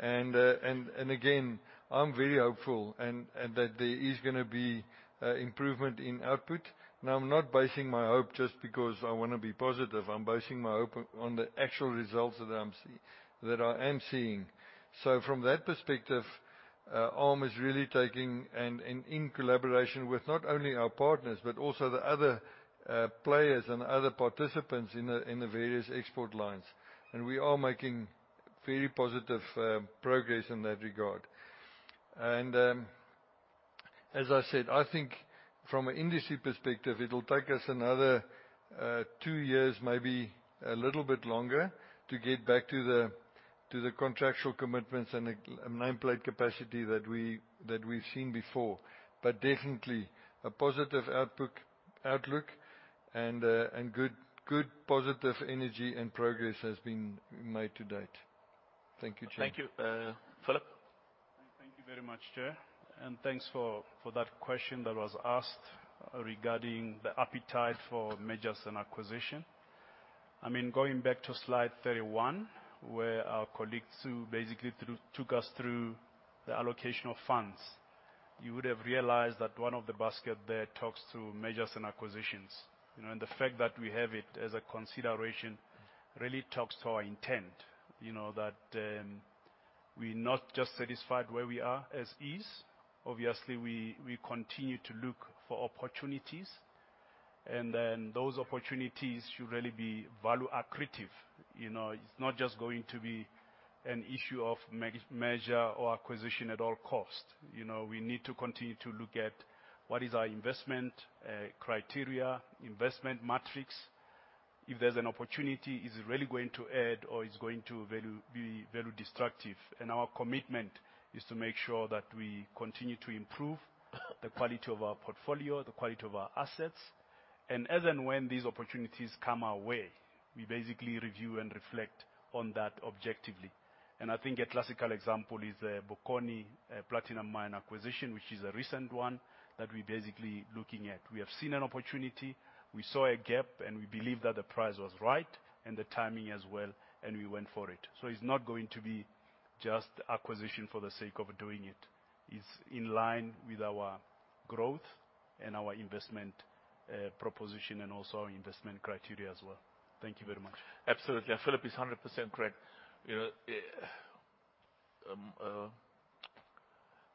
F: Again, I'm very hopeful and that there is gonna be improvement in output. Now, I'm not basing my hope just because I wanna be positive. I'm basing my hope on the actual results that I am seeing. From that perspective, ARM is really taking and in collaboration with not only our partners, but also the other players and other participants in the various export lines. We are making very positive progress in that regard. As I said, I think from an industry perspective, it'll take us another two years, maybe a little bit longer, to get back to the contractual commitments and the nameplate capacity that we've seen before. Definitely a positive outlook and good positive energy and progress has been made to date. Thank you, Chair.
B: Thank you. Philip.
G: Thank you very much, Chair. Thanks for that question that was asked regarding the appetite for mergers and acquisition. I mean, going back to slide 31, where our colleague, Sue, basically took us through the allocation of funds, you would have realized that one of the basket there talks through mergers and acquisitions. You know, the fact that we have it as a consideration really talks to our intent, you know, that we're not just satisfied where we are as is. Obviously, we continue to look for opportunities, those opportunities should really be value accretive. You know, it's not just going to be an issue of me-measure or acquisition at all costs. You know, we need to continue to look at what is our investment criteria, investment matrix. If there's an opportunity, is it really going to add or is it going to value be very destructive? Our commitment is to make sure that we continue to improve the quality of our portfolio, the quality of our assets. As and when these opportunities come our way, we basically review and reflect on that objectively. I think a classical example is Bokoni Platinum Mine acquisition, which is a recent one that we're basically looking at. We have seen an opportunity, we saw a gap, and we believe that the price was right and the timing as well, and we went for it. It's not going to be just acquisition for the sake of doing it. It's in line with our growth and our investment proposition and also our investment criteria as well. Thank you very much.
F: Absolutely. Philip is 100% correct. You know,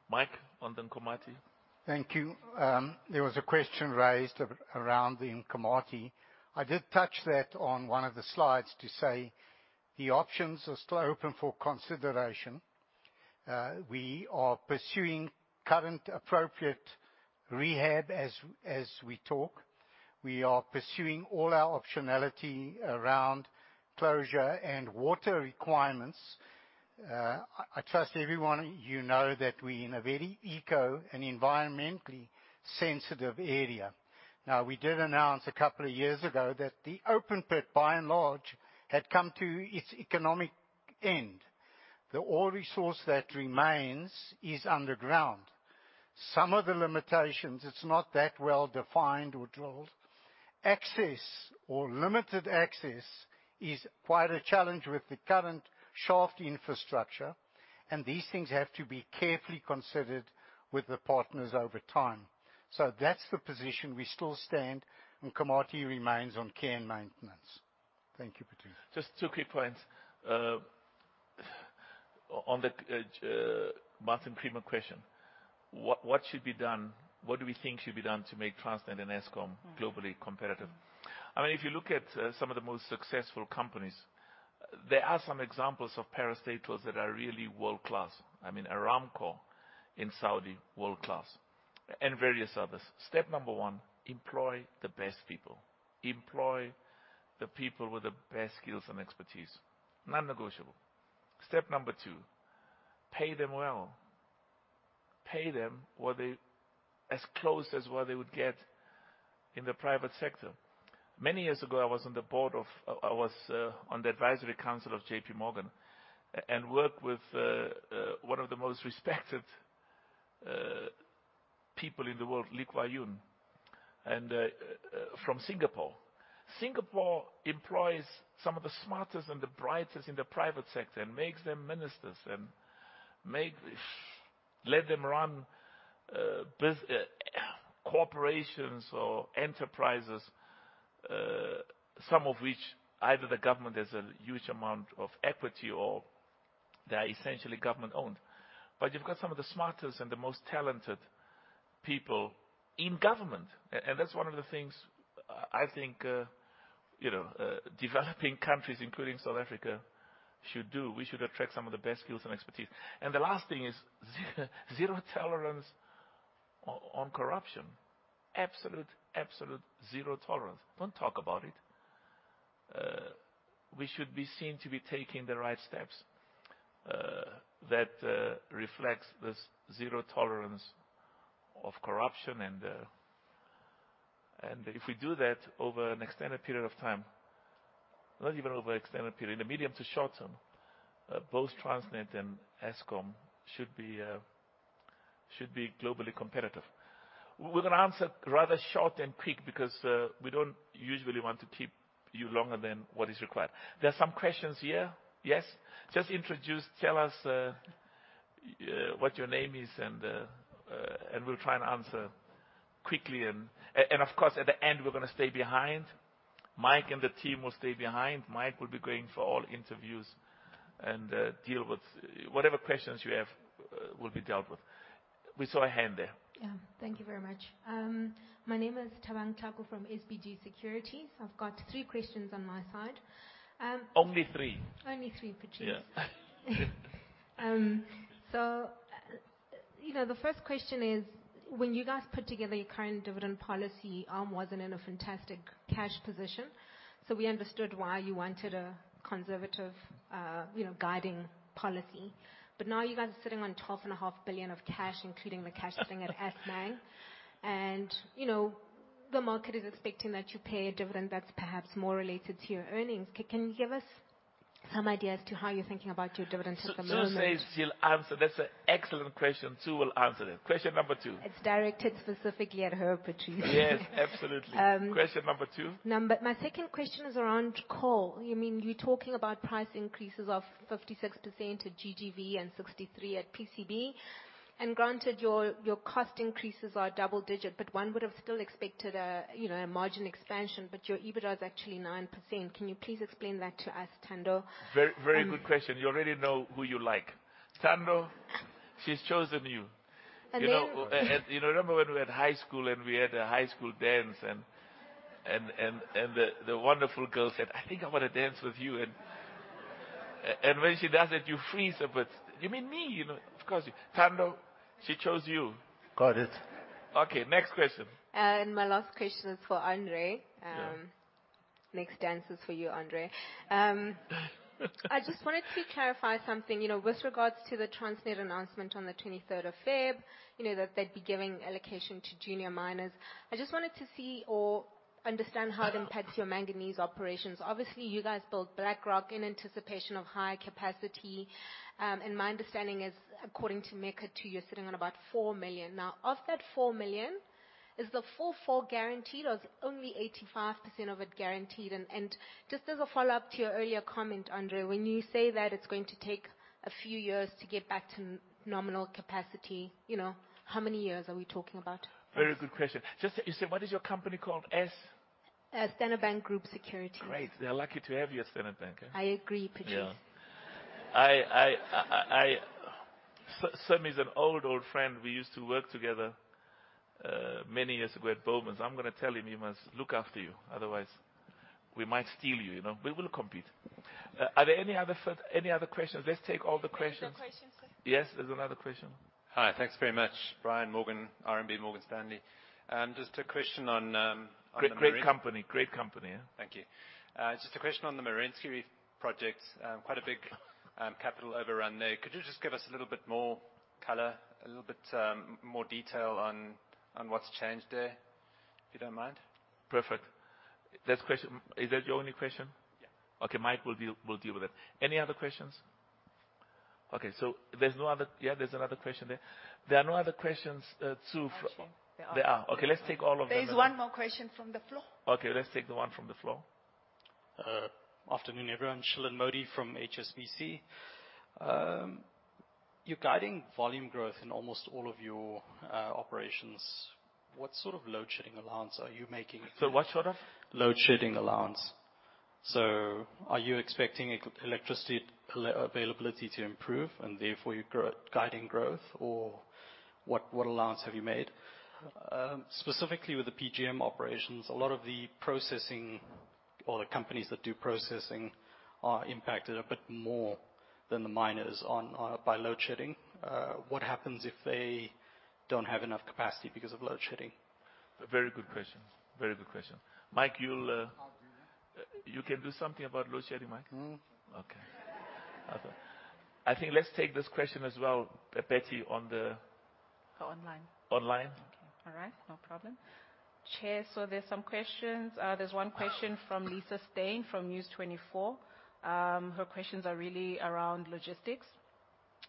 F: Mike on the Nkomati.
D: Thank you. There was a question raised around the Nkomati. I did touch that on one of the slides to say, the options are still open for consideration. We are pursuing current appropriate rehab as we talk. We are pursuing all our optionality around closure and water requirements. I trust everyone, you know that we're in a very eco and environmentally sensitive area. We did announce a couple of years ago that the open pit, by and large, had come to its economic end. The ore resource that remains is underground. Some of the limitations, it's not that well-defined or drilled. Access or limited access is quite a challenge with the current shaft infrastructure. These things have to be carefully considered with the partners over time. That's the position we still stand. Nkomati remains on care and maintenance. Thank you, Patrice.
F: Just two quick points. On the Martin Creamer question, what should be done? What do we think should be done to make Transnet and Eskom globally competitive? I mean, if you look at some of the most successful.
B: There are some examples of parastatals that are really world-class. I mean, Aramco in Saudi, world-class, and various others. Step number one, employ the best people. Employ the people with the best skills and expertise. Non-negotiable. Step number two, pay them well. Pay them as close as what they would get in the private sector. Many years ago, I was on the board of I was on the advisory council of JPMorgan, and worked with one of the most respected people in the world, Lee Kuan Yew, and from Singapore. Singapore employs some of the smartest and the brightest in the private sector, and makes them ministers, and let them run corporations or enterprises, some of which either the government has a huge amount of equity or they're essentially government-owned. You've got some of the smartest and the most talented people in government. That's one of the things I think, you know, developing countries, including South Africa, should do. We should attract some of the best skills and expertise. The last thing is zero tolerance on corruption. Absolute, absolute zero tolerance. Don't talk about it. We should be seen to be taking the right steps that reflects this zero tolerance of corruption. If we do that over an extended period of time, not even over an extended period, in the medium to short term, both Transnet and Eskom should be globally competitive. With an answer rather short and quick because we don't usually want to keep you longer than what is required. There are some questions here. Yes. Just introduce, tell us what your name is and we'll try and answer quickly and of course, at the end, we're gonna stay behind. Mike and the team will stay behind. Mike will be going for all interviews and deal with whatever questions you have will be dealt with. We saw a hand there.
H: Yeah. Thank you very much. My name is Thabang Thlaku from SBG Securities. I've got three questions on my side.
B: Only three.
H: Only three, Patrice.
B: Yeah.
H: you know, the first question is, when you guys put together your current dividend policy, ARM wasn't in a fantastic cash position, we understood why you wanted a conservative, you know, guiding policy. Now you guys are sitting on 12.5 billion of cash, including the cash sitting at S nine. you know, the market is expecting that you pay a dividend that's perhaps more related to your earnings. Can you give us some idea as to how you're thinking about your dividends at the moment?
B: Sue says she'll answer. That's an excellent question. Sue will answer that. Question number two.
H: It's directed specifically at her, Patrice.
B: Yes, absolutely.
H: Um-
B: Question number two.
H: My second question is around coal. You mean you're talking about price increases of 56% at GGV and 63% at PCB, and granted your cost increases are double digit, but one would have still expected you know, a margin expansion, but your EBITDA is actually 9%. Can you please explain that to us, Thando?
B: Very, very good question. You already know who you like. Thando, she's chosen you.
H: Again.
B: You know, you know, remember when we were at high school, and we had a high school dance, and the wonderful girl said, "I think I wanna dance with you." When she does it, you freeze a bit. "You mean me?" You know. Of course. Thando, she chose you.
H: Got it.
B: Okay. Next question.
H: My last question is for Andre.
B: Yeah.
H: Next dance is for you, Andre. I just wanted to clarify something, you know, with regards to the Transnet announcement on the February 23rd, you know, that they'd be giving allocation to junior miners. I just wanted to see or understand how it impacts your manganese operations. Obviously, you guys built Black Rock in anticipation of higher capacity, and my understanding is according to Mega 2, you're sitting on about 4 million. Now, of that 4 million, is the full four guaranteed or is only 85% of it guaranteed? Just as a follow-up to your earlier comment, Andre, when you say that it's going to take a few years to get back to nominal capacity, you know, how many years are we talking about?
B: Very good question. Just you said, what is your company called? S?
H: Standard Bank Group Securities.
B: Great. They are lucky to have you at Standard Bank, eh?
H: I agree, Patrice.
B: Yeah. I so he's an old friend. We used to work together, many years ago at Bowmans. I'm gonna tell him he must look after you, otherwise we might steal you know. We will compete. Any other questions? Let's take all the questions.
H: There's a question, sir.
B: Yes, there's another question.
I: Hi. Thanks very much. Brian Morgan, RMB Morgan Stanley. Just a question on.
B: Great, great company. Great company, eh?
I: Thank you. Just a question on the Merensky project. Quite a big capital overrun there. Could you just give us a little bit more color, a little bit more detail on what's changed there, if you don't mind?
B: Perfect. That's question... Is that your only question?
I: Yeah.
B: Okay. Mike will deal with it. Any other questions? Okay. Yeah, there's another question there. There are no other questions, Sue.
H: Actually, there are.
B: There are. Okay. Let's take all of them then.
H: There is one more question from the floor.
B: Okay. Let's take the one from the floor.
J: Afternoon, everyone. Shilan Modi from HSBC. You're guiding volume growth in almost all of your operations. What sort of load shedding allowance are you making?
B: What sort of?
J: Load shedding allowance. Are you expecting electricity availability to improve and therefore you guiding growth, or what allowance have you made? Specifically with the PGM operations, a lot of the processing All the companies that do processing are impacted a bit more than the miners on by load shedding. What happens if they don't have enough capacity because of load shedding?
B: Very good question. Mike, you'll...
F: I'll do that.
B: You can do something about load shedding, Mike?
F: Mm-hmm.
B: Okay. I think let's take this question as well, Betty.
A: Online.
B: Online.
A: All right. No problem. Chair, there's some questions. There's one question from Lisa Steyn from News24. Her questions are really around logistics.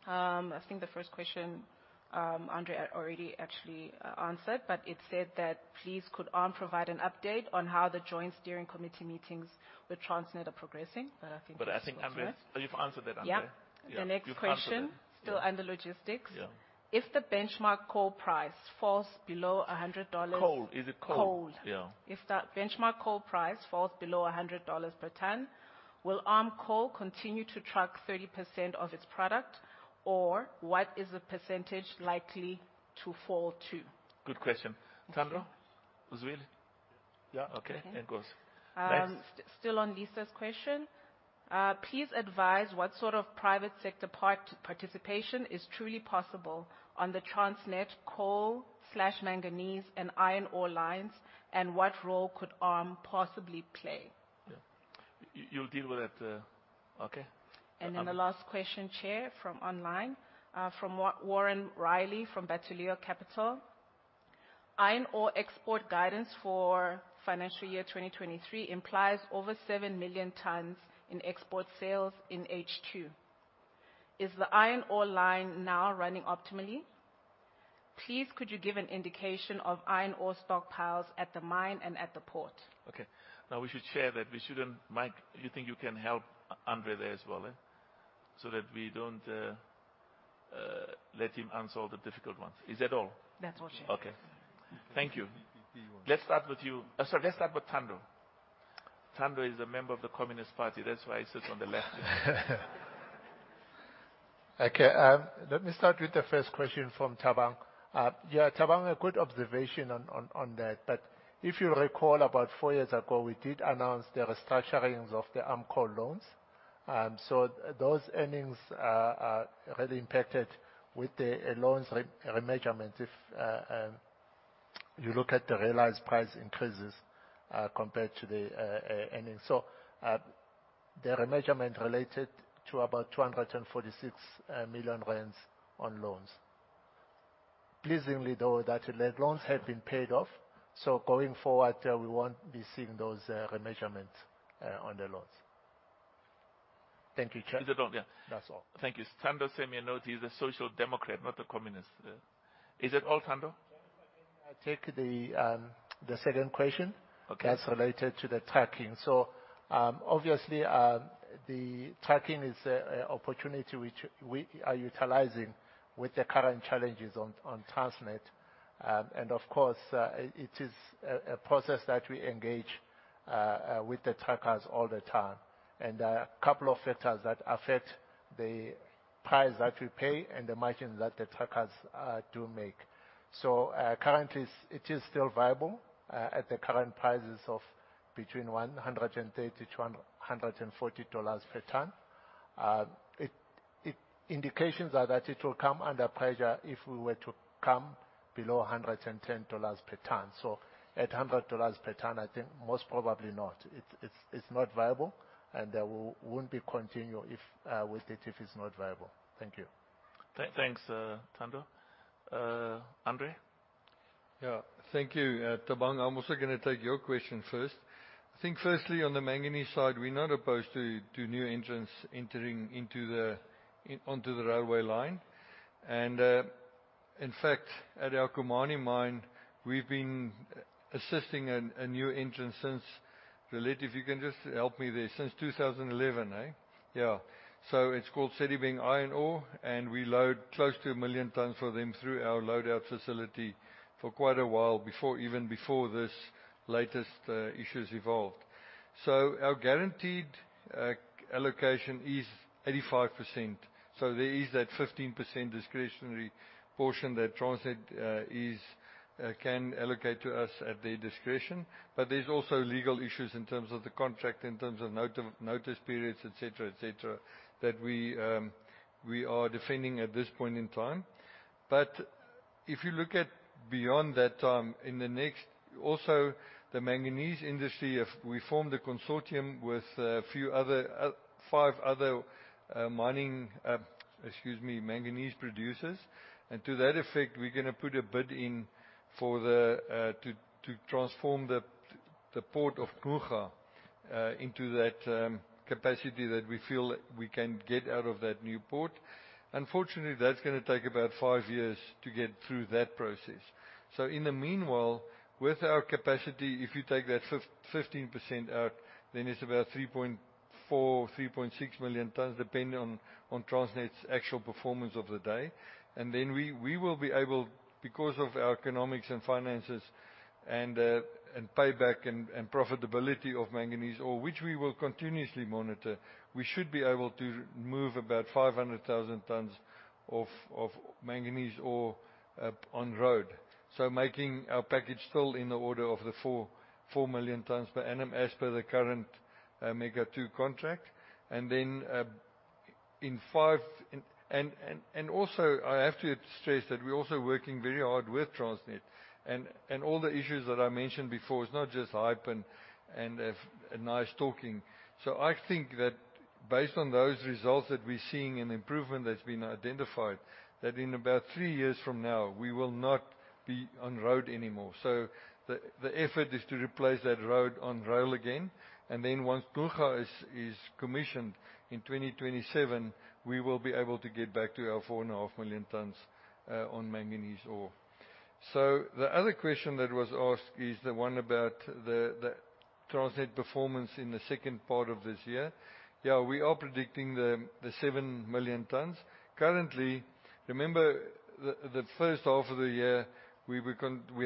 A: I think the first question Andre already actually answered, it said that, "Please could ARM provide an update on how the joint steering committee meetings with Transnet are progressing?" I think this was asked.
B: I think, Andre. You've answered that, Andre.
A: Yeah.
B: Yeah. You've answered that.
A: The next question.
B: Yeah.
A: Still under logistics.
B: Yeah.
A: If the benchmark coal price falls below $100
B: Coal. Is it coal?
A: Coal.
B: Yeah.
A: If the benchmark coal price falls below $100 per ton, will ARM Coal continue to truck 30% of its product, or what is the percentage likely to fall to?
B: Good question.
A: Thank you.
B: Thando? Usisipho?
K: Yes.
B: Yeah. Okay.
A: Okay.
B: There it goes. Next.
A: Still on Lisa's question, please advise what sort of private sector part-participation is truly possible on the Transnet coal/manganese and iron ore lines, and what role could ARM possibly play?
B: Yeah. You'll deal with that. Okay.
A: The last question, Chair, from online, from Warren Riley from Bateleur Capital. Iron ore export guidance for financial year 2023 implies over 7 million tons in export sales in H2. Is the iron ore line now running optimally? Please could you give an indication of iron ore stockpiles at the mine and at the port?
B: Now we should share that we shouldn't... Mike, you think you can help Andre there as well, eh? That we don't let him answer all the difficult ones. Is that all?
A: That's all, Chair.
B: Okay. Thank you.
F: He wants.
B: Let's start with you. Sorry. Let's start with Thando. Thando is a member of the Communist Party, that's why he sits on the left.
K: Okay. Let me start with the first question from Thabang. Yeah, Thabang, a good observation on that. If you recall about four years ago, we did announce the restructurings of the ARM Coal loans. Those earnings are really impacted with the loans remeasurement. If you look at the realized price increases compared to the earnings. The remeasurement related to about 246 million rand on loans. Pleasingly, though, that the loans have been paid off, going forward, we won't be seeing those remeasurements on the loans. Thank you, Chair.
B: Is it all? Yeah.
K: That's all.
B: Thank you. Thando sent me a note. He's a social democrat, not a communist. Is it all, Thando?
K: Chairperson, can I take the second question?
B: Okay.
K: That's related to the trucking. Obviously, the trucking is a opportunity which we are utilizing with the current challenges on Transnet. Of course, it is a process that we engage with the truckers all the time. A couple of factors that affect the price that we pay and the margin that the truckers do make. Currently it is still viable at the current prices of between $130-$140 per ton. Indications are that it will come under pressure if we were to come below $110 per ton. At $100 per ton, I think most probably not. It's not viable and we wouldn't be continuing with it if it's not viable. Thank you.
B: Thanks, Thando. Andre?
F: Thank you. Thabang, I'm also gonna take your question first. I think firstly on the manganese side, we're not opposed to new entrants entering onto the railway line. In fact, at our Khumani Mine, we've been assisting a new entrant since... Rolette, if you can just help me there. Since 2011, eh? It's called Sedibeng Iron Ore, and we load close to 1 million tons for them through our load-out facility for quite a while, before, even before this latest issues evolved. Our guaranteed allocation is 85%. There is that 15% discretionary portion that Transnet can allocate to us at their discretion. There's also legal issues in terms of the contract, in terms of notice periods, et cetera, et cetera, that we are defending at this point in time. If you look at beyond that time, also, the manganese industry, if we form the consortium with a few other, five other, mining, excuse me, manganese producers. To that effect, we're going to put a bid in for the to transform the port of Ngqura into that capacity that we feel we can get out of that new port. Unfortunately, that's going to take about five years to get through that process. In the meanwhile, with our capacity, if you take that 15% out, then it's about 3.4 million-3.6 million tons, depending on Transnet's actual performance of the day. We will be able, because of our economics and finances and payback and profitability of manganese ore, which we will continuously monitor, we should be able to move about 500,000 tons of manganese ore on road. Making our package still in the order of the 4 million tons per annum as per the current Mega 2 contract. Also I have to stress that we're also working very hard with Transnet and all the issues that I mentioned before. It's not just hype and nice talking. I think that based on those results that we're seeing and the improvement that's been identified, that in about three years from now, we will not be on road anymore. The effort is to replace that road on rail again, and then once Ngqura is commissioned in 2027, we will be able to get back to our four and a half million tons on manganese ore. The other question that was asked is the one about the Transnet performance in the second part of this year. Yeah, we are predicting the 7 million tons. Currently, remember the first half of the year we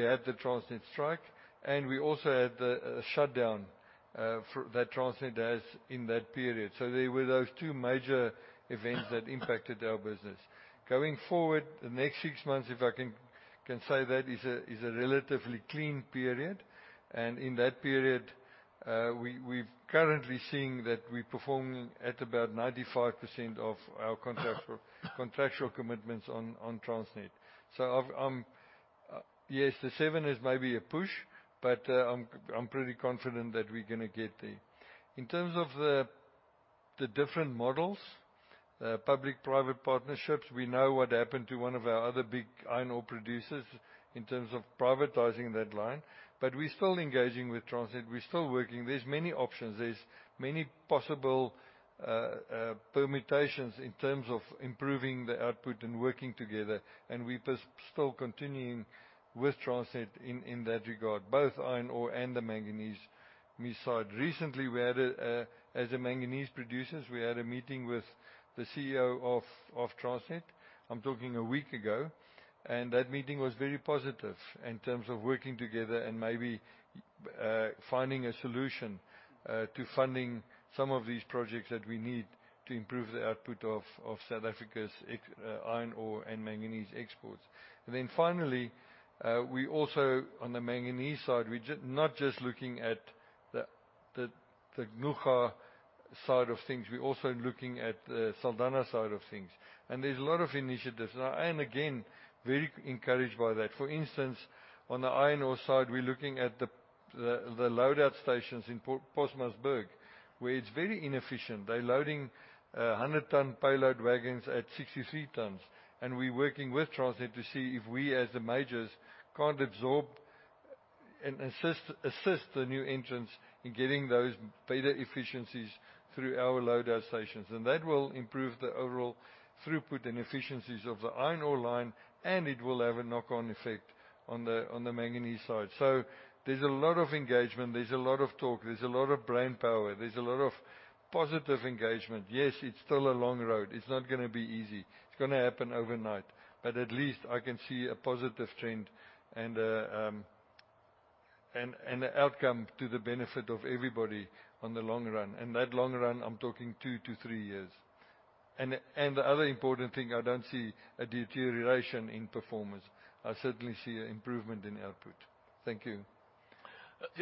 F: had the Transnet strike, and we also had the shutdown that Transnet has in that period. There were those two major events that impacted our business. Going forward, the next six months, if I can say that, is a relatively clean period, and in that period, we've currently seeing that we're performing at about 95% of our contractual commitments on Transnet. Yes, the seven is maybe a push, but I'm pretty confident that we're gonna get there. In terms of the different models, the public-private partnerships, we know what happened to one of our other big iron ore producers in terms of privatizing that line, but we're still engaging with Transnet. We're still working. There's many options. There's many possible permutations in terms of improving the output and working together, and we still continuing with Transnet in that regard, both iron ore and the manganese side. Recently, we had. As a manganese producers, we had a meeting with the CEO of Transnet, I'm talking a week ago. That meeting was very positive in terms of working together and maybe finding a solution to funding some of these projects that we need to improve the output of South Africa's iron ore and manganese exports. Finally, we also, on the manganese side, we're not just looking at the Ngquraa side of things. We're also looking at the Saldanha side of things, and there's a lot of initiatives. I am again very encouraged by that. For instance, on the iron ore side, we're looking at the loadout stations in Postmasburg, where it's very inefficient. They're loading 100 ton payload wagons at 63 tons. We're working with Transnet to see if we, as the majors, can't absorb and assist the new entrants in getting those better efficiencies through our loadout stations. That will improve the overall throughput and efficiencies of the iron ore line, and it will have a knock-on effect on the manganese side. There's a lot of engagement. There's a lot of talk. There's a lot of brainpower. There's a lot of positive engagement. Yes, it's still a long road. It's not gonna be easy. It's gonna happen overnight. At least I can see a positive trend and an outcome to the benefit of everybody on the long run. That long run, I'm talking two to three years. The other important thing, I don't see a deterioration in performance. I certainly see improvement in output. Thank you.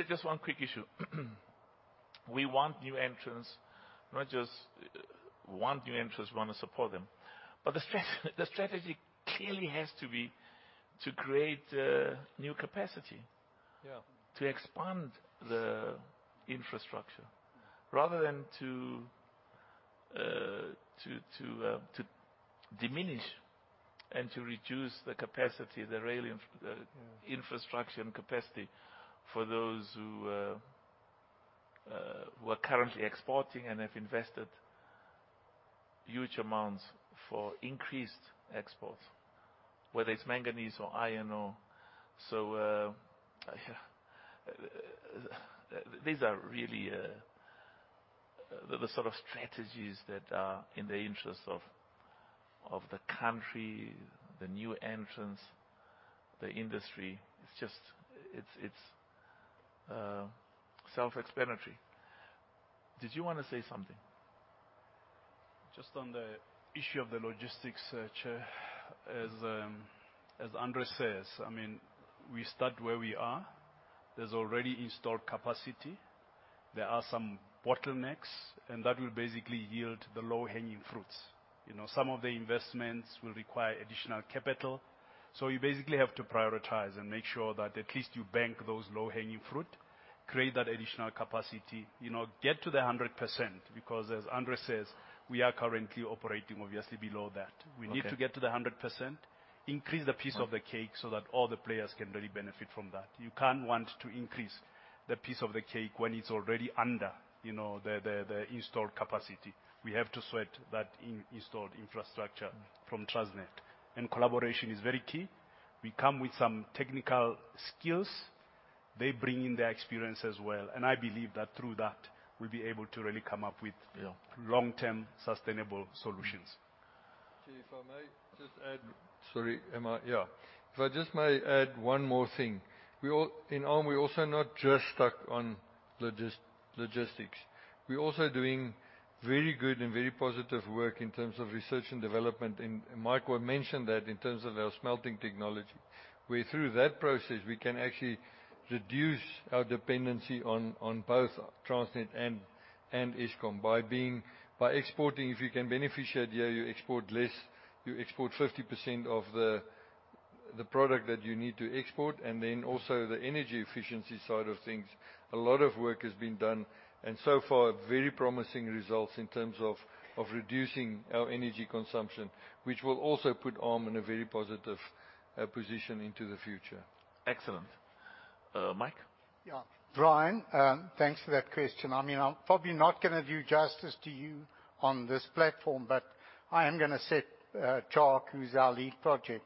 B: Just one quick issue. We want new entrants, not just want new entrants, we wanna support them. The strategy clearly has to be to create new capacity.
F: Yeah...
B: to expand the infrastructure rather than to diminish and to reduce the capacity, the rail infrastructure and capacity for those who are currently exporting and have invested huge amounts for increased exports, whether it's manganese or iron ore. These are really, the sort of strategies that are in the interest of the country, the new entrants, the industry. It's just... It's self-explanatory. Did you wanna say something?
E: Just on the issue of the logistics, Chair, as Andre says, I mean, we start where we are. There's already installed capacity. There are some bottlenecks. That will basically yield the low-hanging fruits. You know, some of the investments will require additional capital. You basically have to prioritize and make sure that at least you bank those low-hanging fruit, create that additional capacity, you know, get to the 100% because, as Andre says, we are currently operating obviously below that.
B: Okay.
E: We need to get to the 100%, increase the piece of the cake so that all the players can really benefit from that. You can't want to increase the piece of the cake when it's already under, you know, the installed capacity. We have to sweat that installed infrastructure from Transnet. Collaboration is very key. We come with some technical skills. They bring in their experience as well. I believe that through that we'll be able to really come up with.
F: Yeah
E: long-term sustainable solutions.
F: If I may just add one more thing. In iron, we're also not just stuck on logistics. We're also doing very good and very positive work in terms of research and development. Mike mentioned that in terms of our smelting technology, where through that process, we can actually reduce our dependency on both Transnet and Eskom by exporting. If you can beneficiate, you export less, you export 50% of the product that you need to export and then also the energy efficiency side of things. A lot of work has been done, and so far, very promising results in terms of reducing our energy consumption, which will also put ARM in a very positive position into the future.
B: Excellent. Mike?
D: Yeah. Brian, thanks for that question. I mean, I'm probably not gonna do justice to you on this platform, but I am gonna set Jacques, who's our lead project,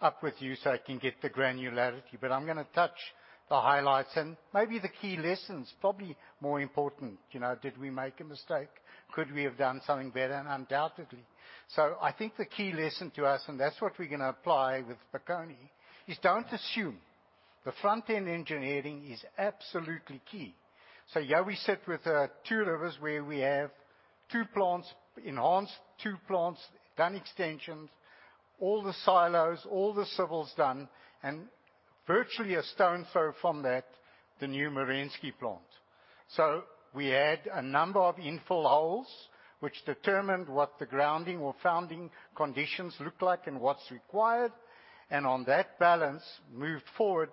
D: up with you so I can get the granularity. I'm gonna touch the highlights and maybe the key lessons, probably more important. You know, did we make a mistake? Could we have done something better? Undoubtedly. I think the key lesson to us, and that's what we're gonna apply with Bokoni, is don't assume. The front-end engineering is absolutely key. Here we sit with Two Rivers, where we have two plants, enhanced two plants, done extensions, all the silos, all the civils done, and virtually a stone throw from that, the new Merensky plant. We had a number of infill holes which determined what the grounding or founding conditions look like and what's required, and on that balance, moved forward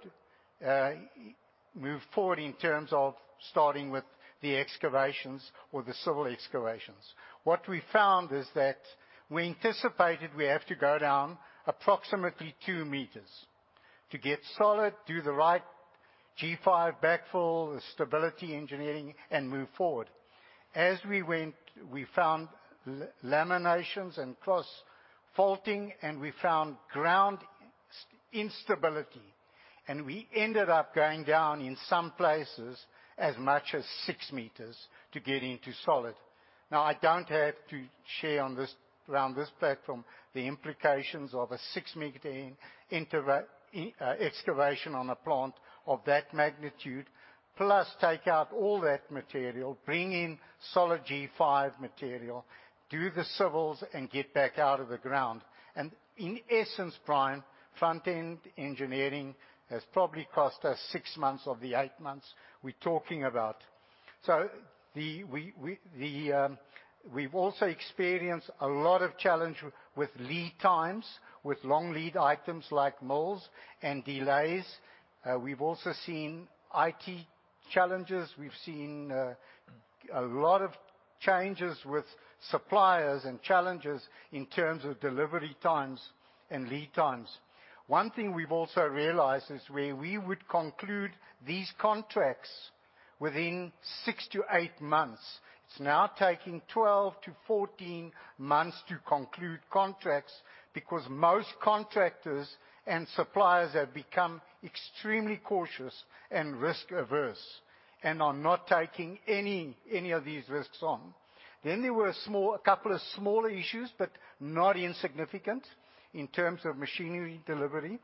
D: in terms of starting with the excavations or the civil excavations. What we found is that we anticipated we have to go down approximately 2 meters to get solid, do the right G5 backfill, the stability engineering, and move forward. As we went, we found laminations and cross-faulting, and we found ground instability, and we ended up going down in some places as much as 6 meters to get into solid. I don't have to share around this platform the implications of a 6-meter excavation on a plant of that magnitude, plus take out all that material, bring in solid G5 material, do the civils, and get back out of the ground. In essence, Brian, front-end engineering has probably cost us six months of the eight months we're talking about. We've also experienced a lot of challenge with lead times, with long lead items like mills and delays. We've also seen IT challenges. We've seen a lot of changes with suppliers and challenges in terms of delivery times and lead times. One thing we've also realized is where we would conclude these contracts within six to eight months, it's now taking 12-14 months to conclude contracts because most contractors and suppliers have become extremely cautious and risk-averse and are not taking any of these risks on. There were small, a couple of smaller issues, but not insignificant, in terms of machinery delivery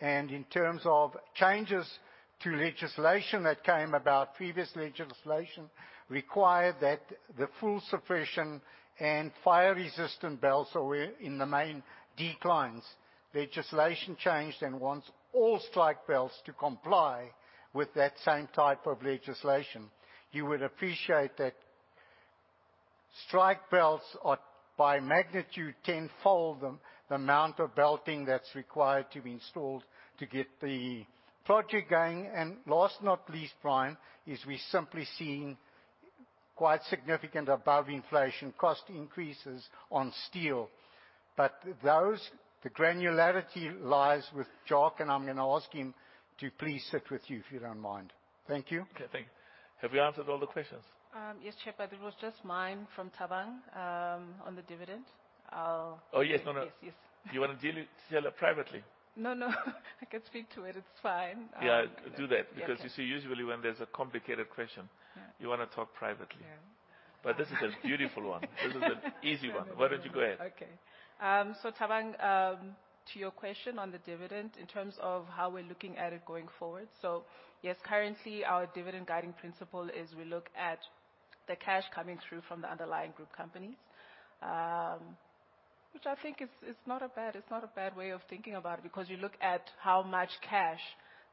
D: and in terms of changes to legislation that came about. Previous legislation required that the full suppression and fire-resistant belts were in the main declines. Legislation changed and wants all strike belts to comply with that same type of legislation. You would appreciate that strike belts are, by magnitude, 10-fold the amount of belting that's required to be installed to get the project going. Last not least, Brian, is we're simply seeing quite significant above-inflation cost increases on steel. Those, the granularity lies with Jacques, and I'm going to ask him to please sit with you, if you don't mind. Thank you.
B: Okay, thank you. Have you answered all the questions?
A: Yes, Chair, it was just mine from Thabang on the dividend.
B: Oh, yes. No, no.
A: Yes, yes.
B: You wanna deal it, deal it privately?
A: No, no. I can speak to it. It's fine.
B: Yeah, do that.
A: Okay.
B: You see, usually when there's a complicated question.
A: Yeah.
B: You wanna talk privately.
A: Yeah.
B: This is a beautiful one. This is an easy one. Why don't you go ahead?
A: Thabang, to your question on the dividend in terms of how we're looking at it going forward. Yes, currently, our dividend guiding principle is we look at the cash coming through from the underlying group companies, which I think is not a bad, it's not a bad way of thinking about it, because you look at how much cash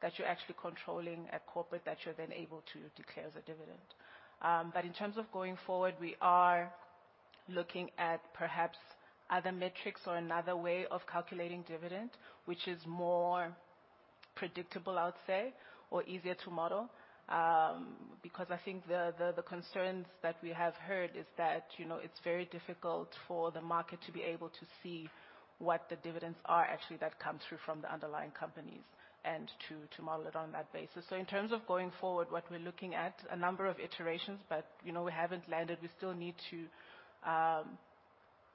A: that you're actually controlling at corporate that you're then able to declare as a dividend. In terms of going forward, we are looking at perhaps other metrics or another way of calculating dividend, which is more predictable, I would say, or easier to model. I think the concerns that we have heard is that, you know, it's very difficult for the market to be able to see what the dividends are actually that come through from the underlying companies and to model it on that basis. In terms of going forward, what we're looking at, a number of iterations, but you know, we haven't landed. We still need to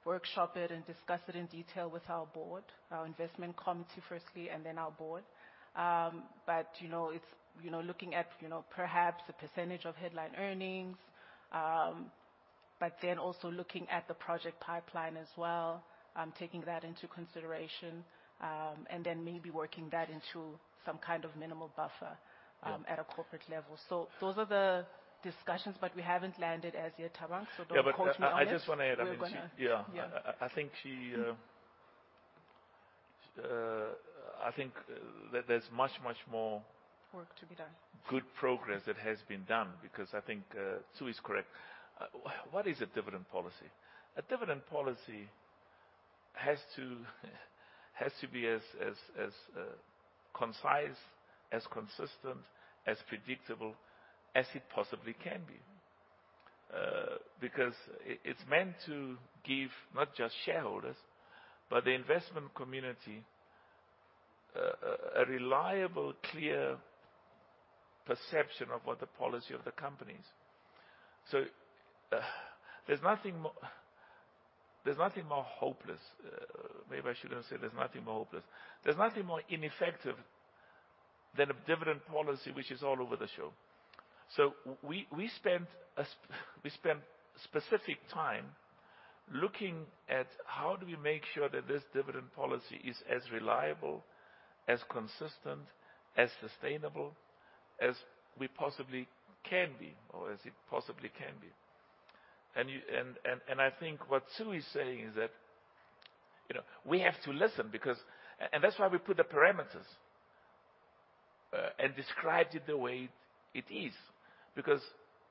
A: workshop it and discuss it in detail with our board, our investment committee firstly, and then our board. You know, it's, you know, looking at, you know, perhaps the percentage of headline earnings, but then also looking at the project pipeline as well, taking that into consideration, and then maybe working that into some kind of minimal buffer.
B: Yeah.
A: at a corporate level. Those are the discussions, but we haven't landed as yet, Thabang, so don't quote me on it.
B: Yeah, I just wanna add, I mean.
A: We're gonna. Yeah.
B: Yeah. I think she, I think there's much more-
A: Work to be done.
B: good progress that has been done because I think Tshusi is correct. What is a dividend policy? A dividend policy has to be as concise, as consistent, as predictable as it possibly can be. Because it's meant to give not just shareholders, but the investment community, a reliable, clear perception of what the policy of the company is. We spent specific time looking at how do we make sure that this dividend policy is as reliable, as consistent, as sustainable as we possibly can be or as it possibly can be. I think what Sue is saying is that, you know, we have to listen because. That's why we put the parameters and described it the way it is, because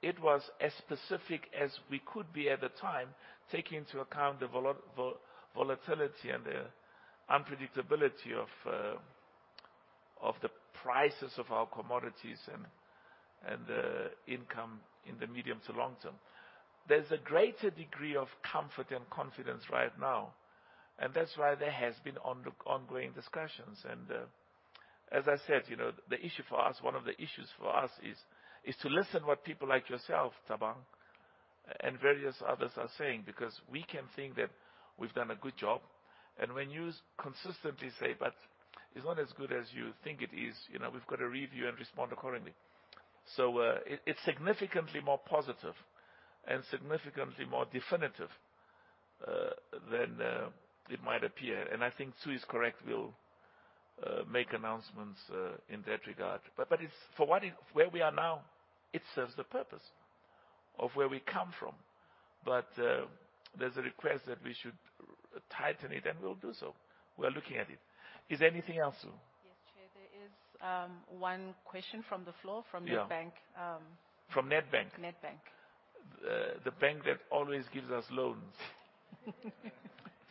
B: it was as specific as we could be at the time, taking into account the volatility and the unpredictability of the prices of our commodities and the income in the medium to long term. There's a greater degree of comfort and confidence right now, and that's why there has been ongoing discussions. As I said, you know, the issue for us, one of the issues for us is to listen what people like yourself, Thabang, and various others are saying, because we can think that we've done a good job. When you consistently say, "But it's not as good as you think it is," you know, we've got to review and respond accordingly. It's significantly more positive and significantly more definitive than it might appear. I think Sue is correct, we'll make announcements in that regard. For what where we are now, it serves the purpose of where we come from. There's a request that we should tighten it, and we'll do so. We are looking at it. Is there anything else, Sue?
A: Yes, Chair. There is one question from the floor.
B: Yeah.
A: from Nedbank.
B: From Nedbank?
A: Nedbank.
B: The bank that always gives us loans.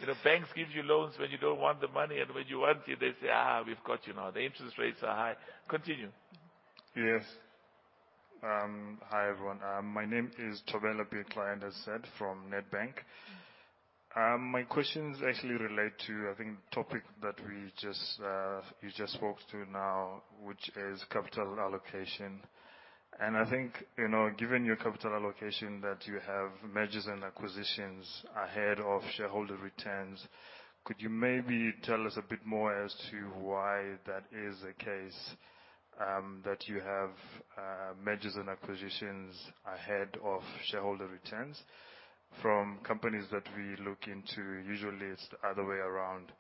B: You know, banks give you loans when you don't want the money. When you want it, they say, "We've got you now. The interest rates are high." Continue.
L: Yes. Hi, everyone. My name is Tobela Piet, client, as said, from Nedbank. My questions actually relate to, I think, topic that we just, you just spoke to now, which is capital allocation. I think, you know, given your capital allocation that you have mergers and acquisitions ahead of shareholder returns, could you maybe tell us a bit more as to why that is the case, that you have mergers and acquisitions ahead of shareholder returns? From companies that we look into, usually it's the other way around.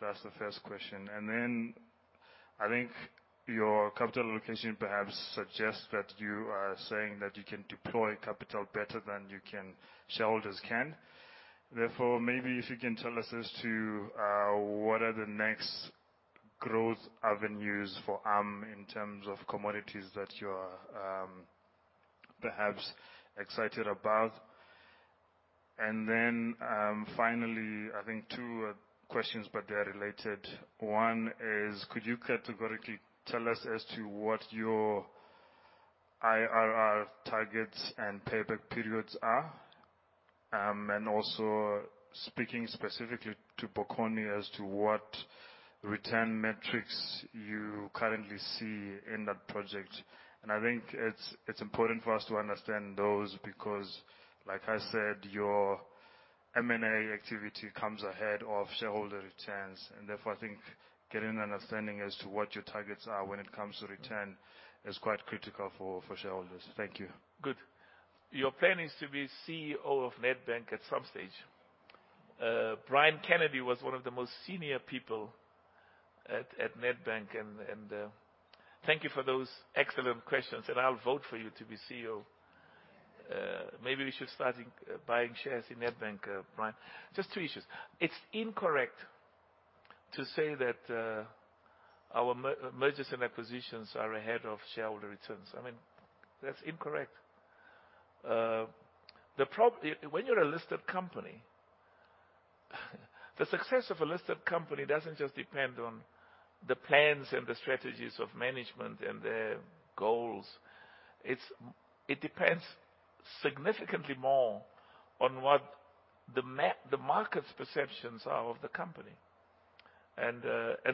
L: That's the first question. I think your capital allocation perhaps suggests that you are saying that you can deploy capital better than shareholders can. Maybe if you can tell us as to what are the next growth avenues for ARM in terms of commodities that you're perhaps excited about. Finally, I think two questions, they are related. One is, could you categorically tell us as to what your IRR targets and payback periods are? Also speaking specifically to Bokoni as to what return metrics you currently see in that project. I think it's important for us to understand those because, like I said, your M&A activity comes ahead of shareholder returns. I think getting an understanding as to what your targets are when it comes to return is quite critical for shareholders. Thank you.
B: Good. Your plan is to be CEO of Nedbank at some stage. Brian Kennedy was one of the most senior people at Nedbank and thank you for those excellent questions. I'll vote for you to be CEO. Maybe we should start in buying shares in Nedbank, Brian. Just two issues. It's incorrect to say that our mergers and acquisitions are ahead of shareholder returns. I mean, that's incorrect. When you're a listed company, the success of a listed company doesn't just depend on the plans and the strategies of management and their goals. It depends significantly more on what the market's perceptions are of the company.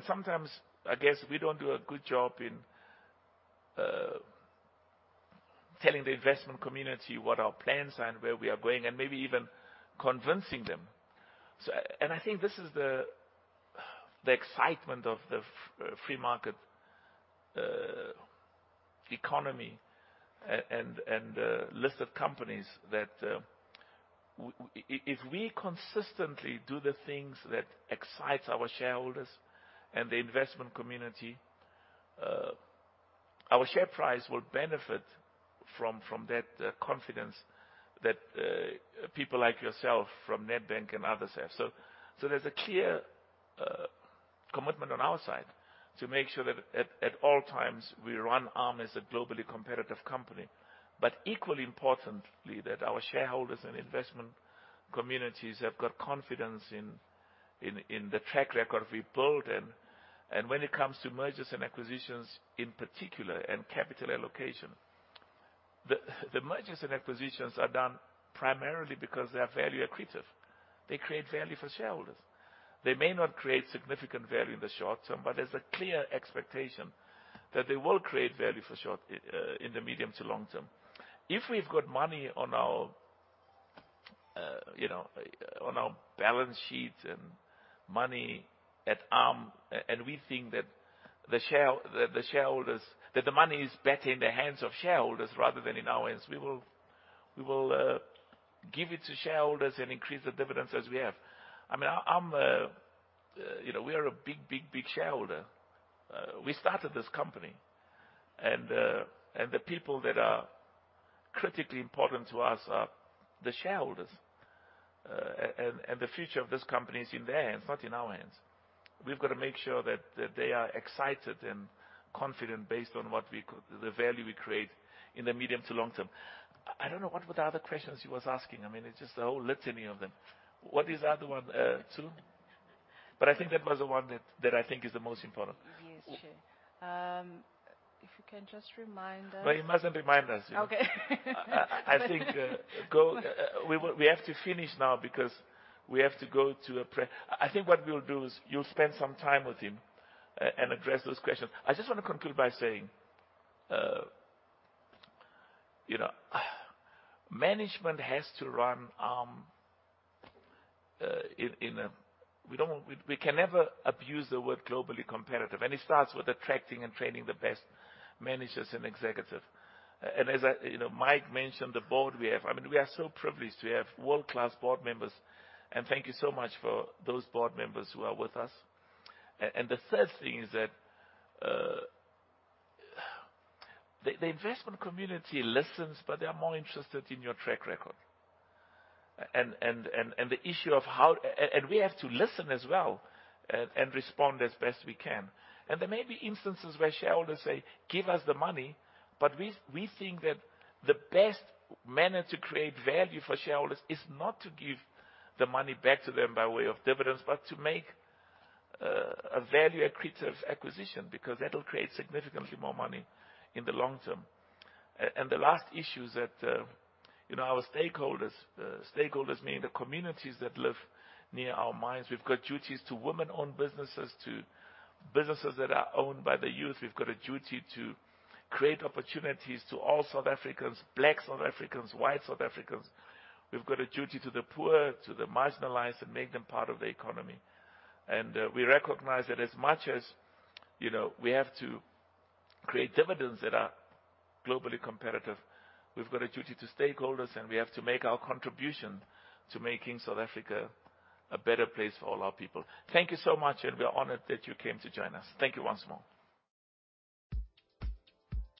B: Sometimes, I guess we don't do a good job in telling the investment community what our plans are and where we are going, and maybe even convincing them. I think this is the excitement of the free market economy and listed companies that if we consistently do the things that excites our shareholders and the investment community, our share price will benefit from that confidence that people like yourself from Nedbank and others have. There's a clear-On our side to make sure that at all times, we run ARM as a globally competitive company. Equally importantly, that our shareholders and investment communities have got confidence in the track record we've built. When it comes to mergers and acquisitions in particular and capital allocation, the mergers and acquisitions are done primarily because they are value accretive. They create value for shareholders. They may not create significant value in the short term, but there's a clear expectation that they will create value for short in the medium to long term. If we've got money on our, you know, on our balance sheet and money at ARM, and we think that the shareholders that the money is better in the hands of shareholders rather than in our hands, we will give it to shareholders and increase the dividends as we have. I mean, I'm, you know, we are a big shareholder. We started this company, and the people that are critically important to us are the shareholders. The future of this company is in their hands, not in our hands. We've got to make sure that they are excited and confident based on the value we create in the medium to long term. I don't know what were the other questions he was asking. I mean, it's just a whole litany of them. What is the other one, Sue? I think that was the one that I think is the most important.
A: Sure, if you can just remind us.
B: Well, he mustn't remind us.
A: Okay.
B: I think what we'll do is you'll spend some time with him and address those questions. I just want to conclude by saying, you know, management has to run ARM. We can never abuse the word globally competitive, and it starts with attracting and training the best managers and executive. You know, Mike mentioned the board we have. I mean, we are so privileged to have world-class board members. Thank you so much for those board members who are with us. The third thing is that the investment community listens, but they are more interested in your track record. The issue of how... We have to listen as well and respond as best we can. There may be instances where shareholders say, "Give us the money," but we think that the best manner to create value for shareholders is not to give the money back to them by way of dividends, but to make a value accretive acquisition, because that will create significantly more money in the long term. The last issue is that, you know, our stakeholders mean the communities that live near our mines. We've got duties to women-owned businesses, to businesses that are owned by the youth. We've got a duty to create opportunities to all South Africans, Black South Africans, white South Africans. We've got a duty to the poor, to the marginalized, and make them part of the economy. We recognize that as much as, you know, we have to create dividends that are globally competitive, we've got a duty to stakeholders, and we have to make our contribution to making South Africa a better place for all our people. Thank you so much. We're honored that you came to join us. Thank you once more.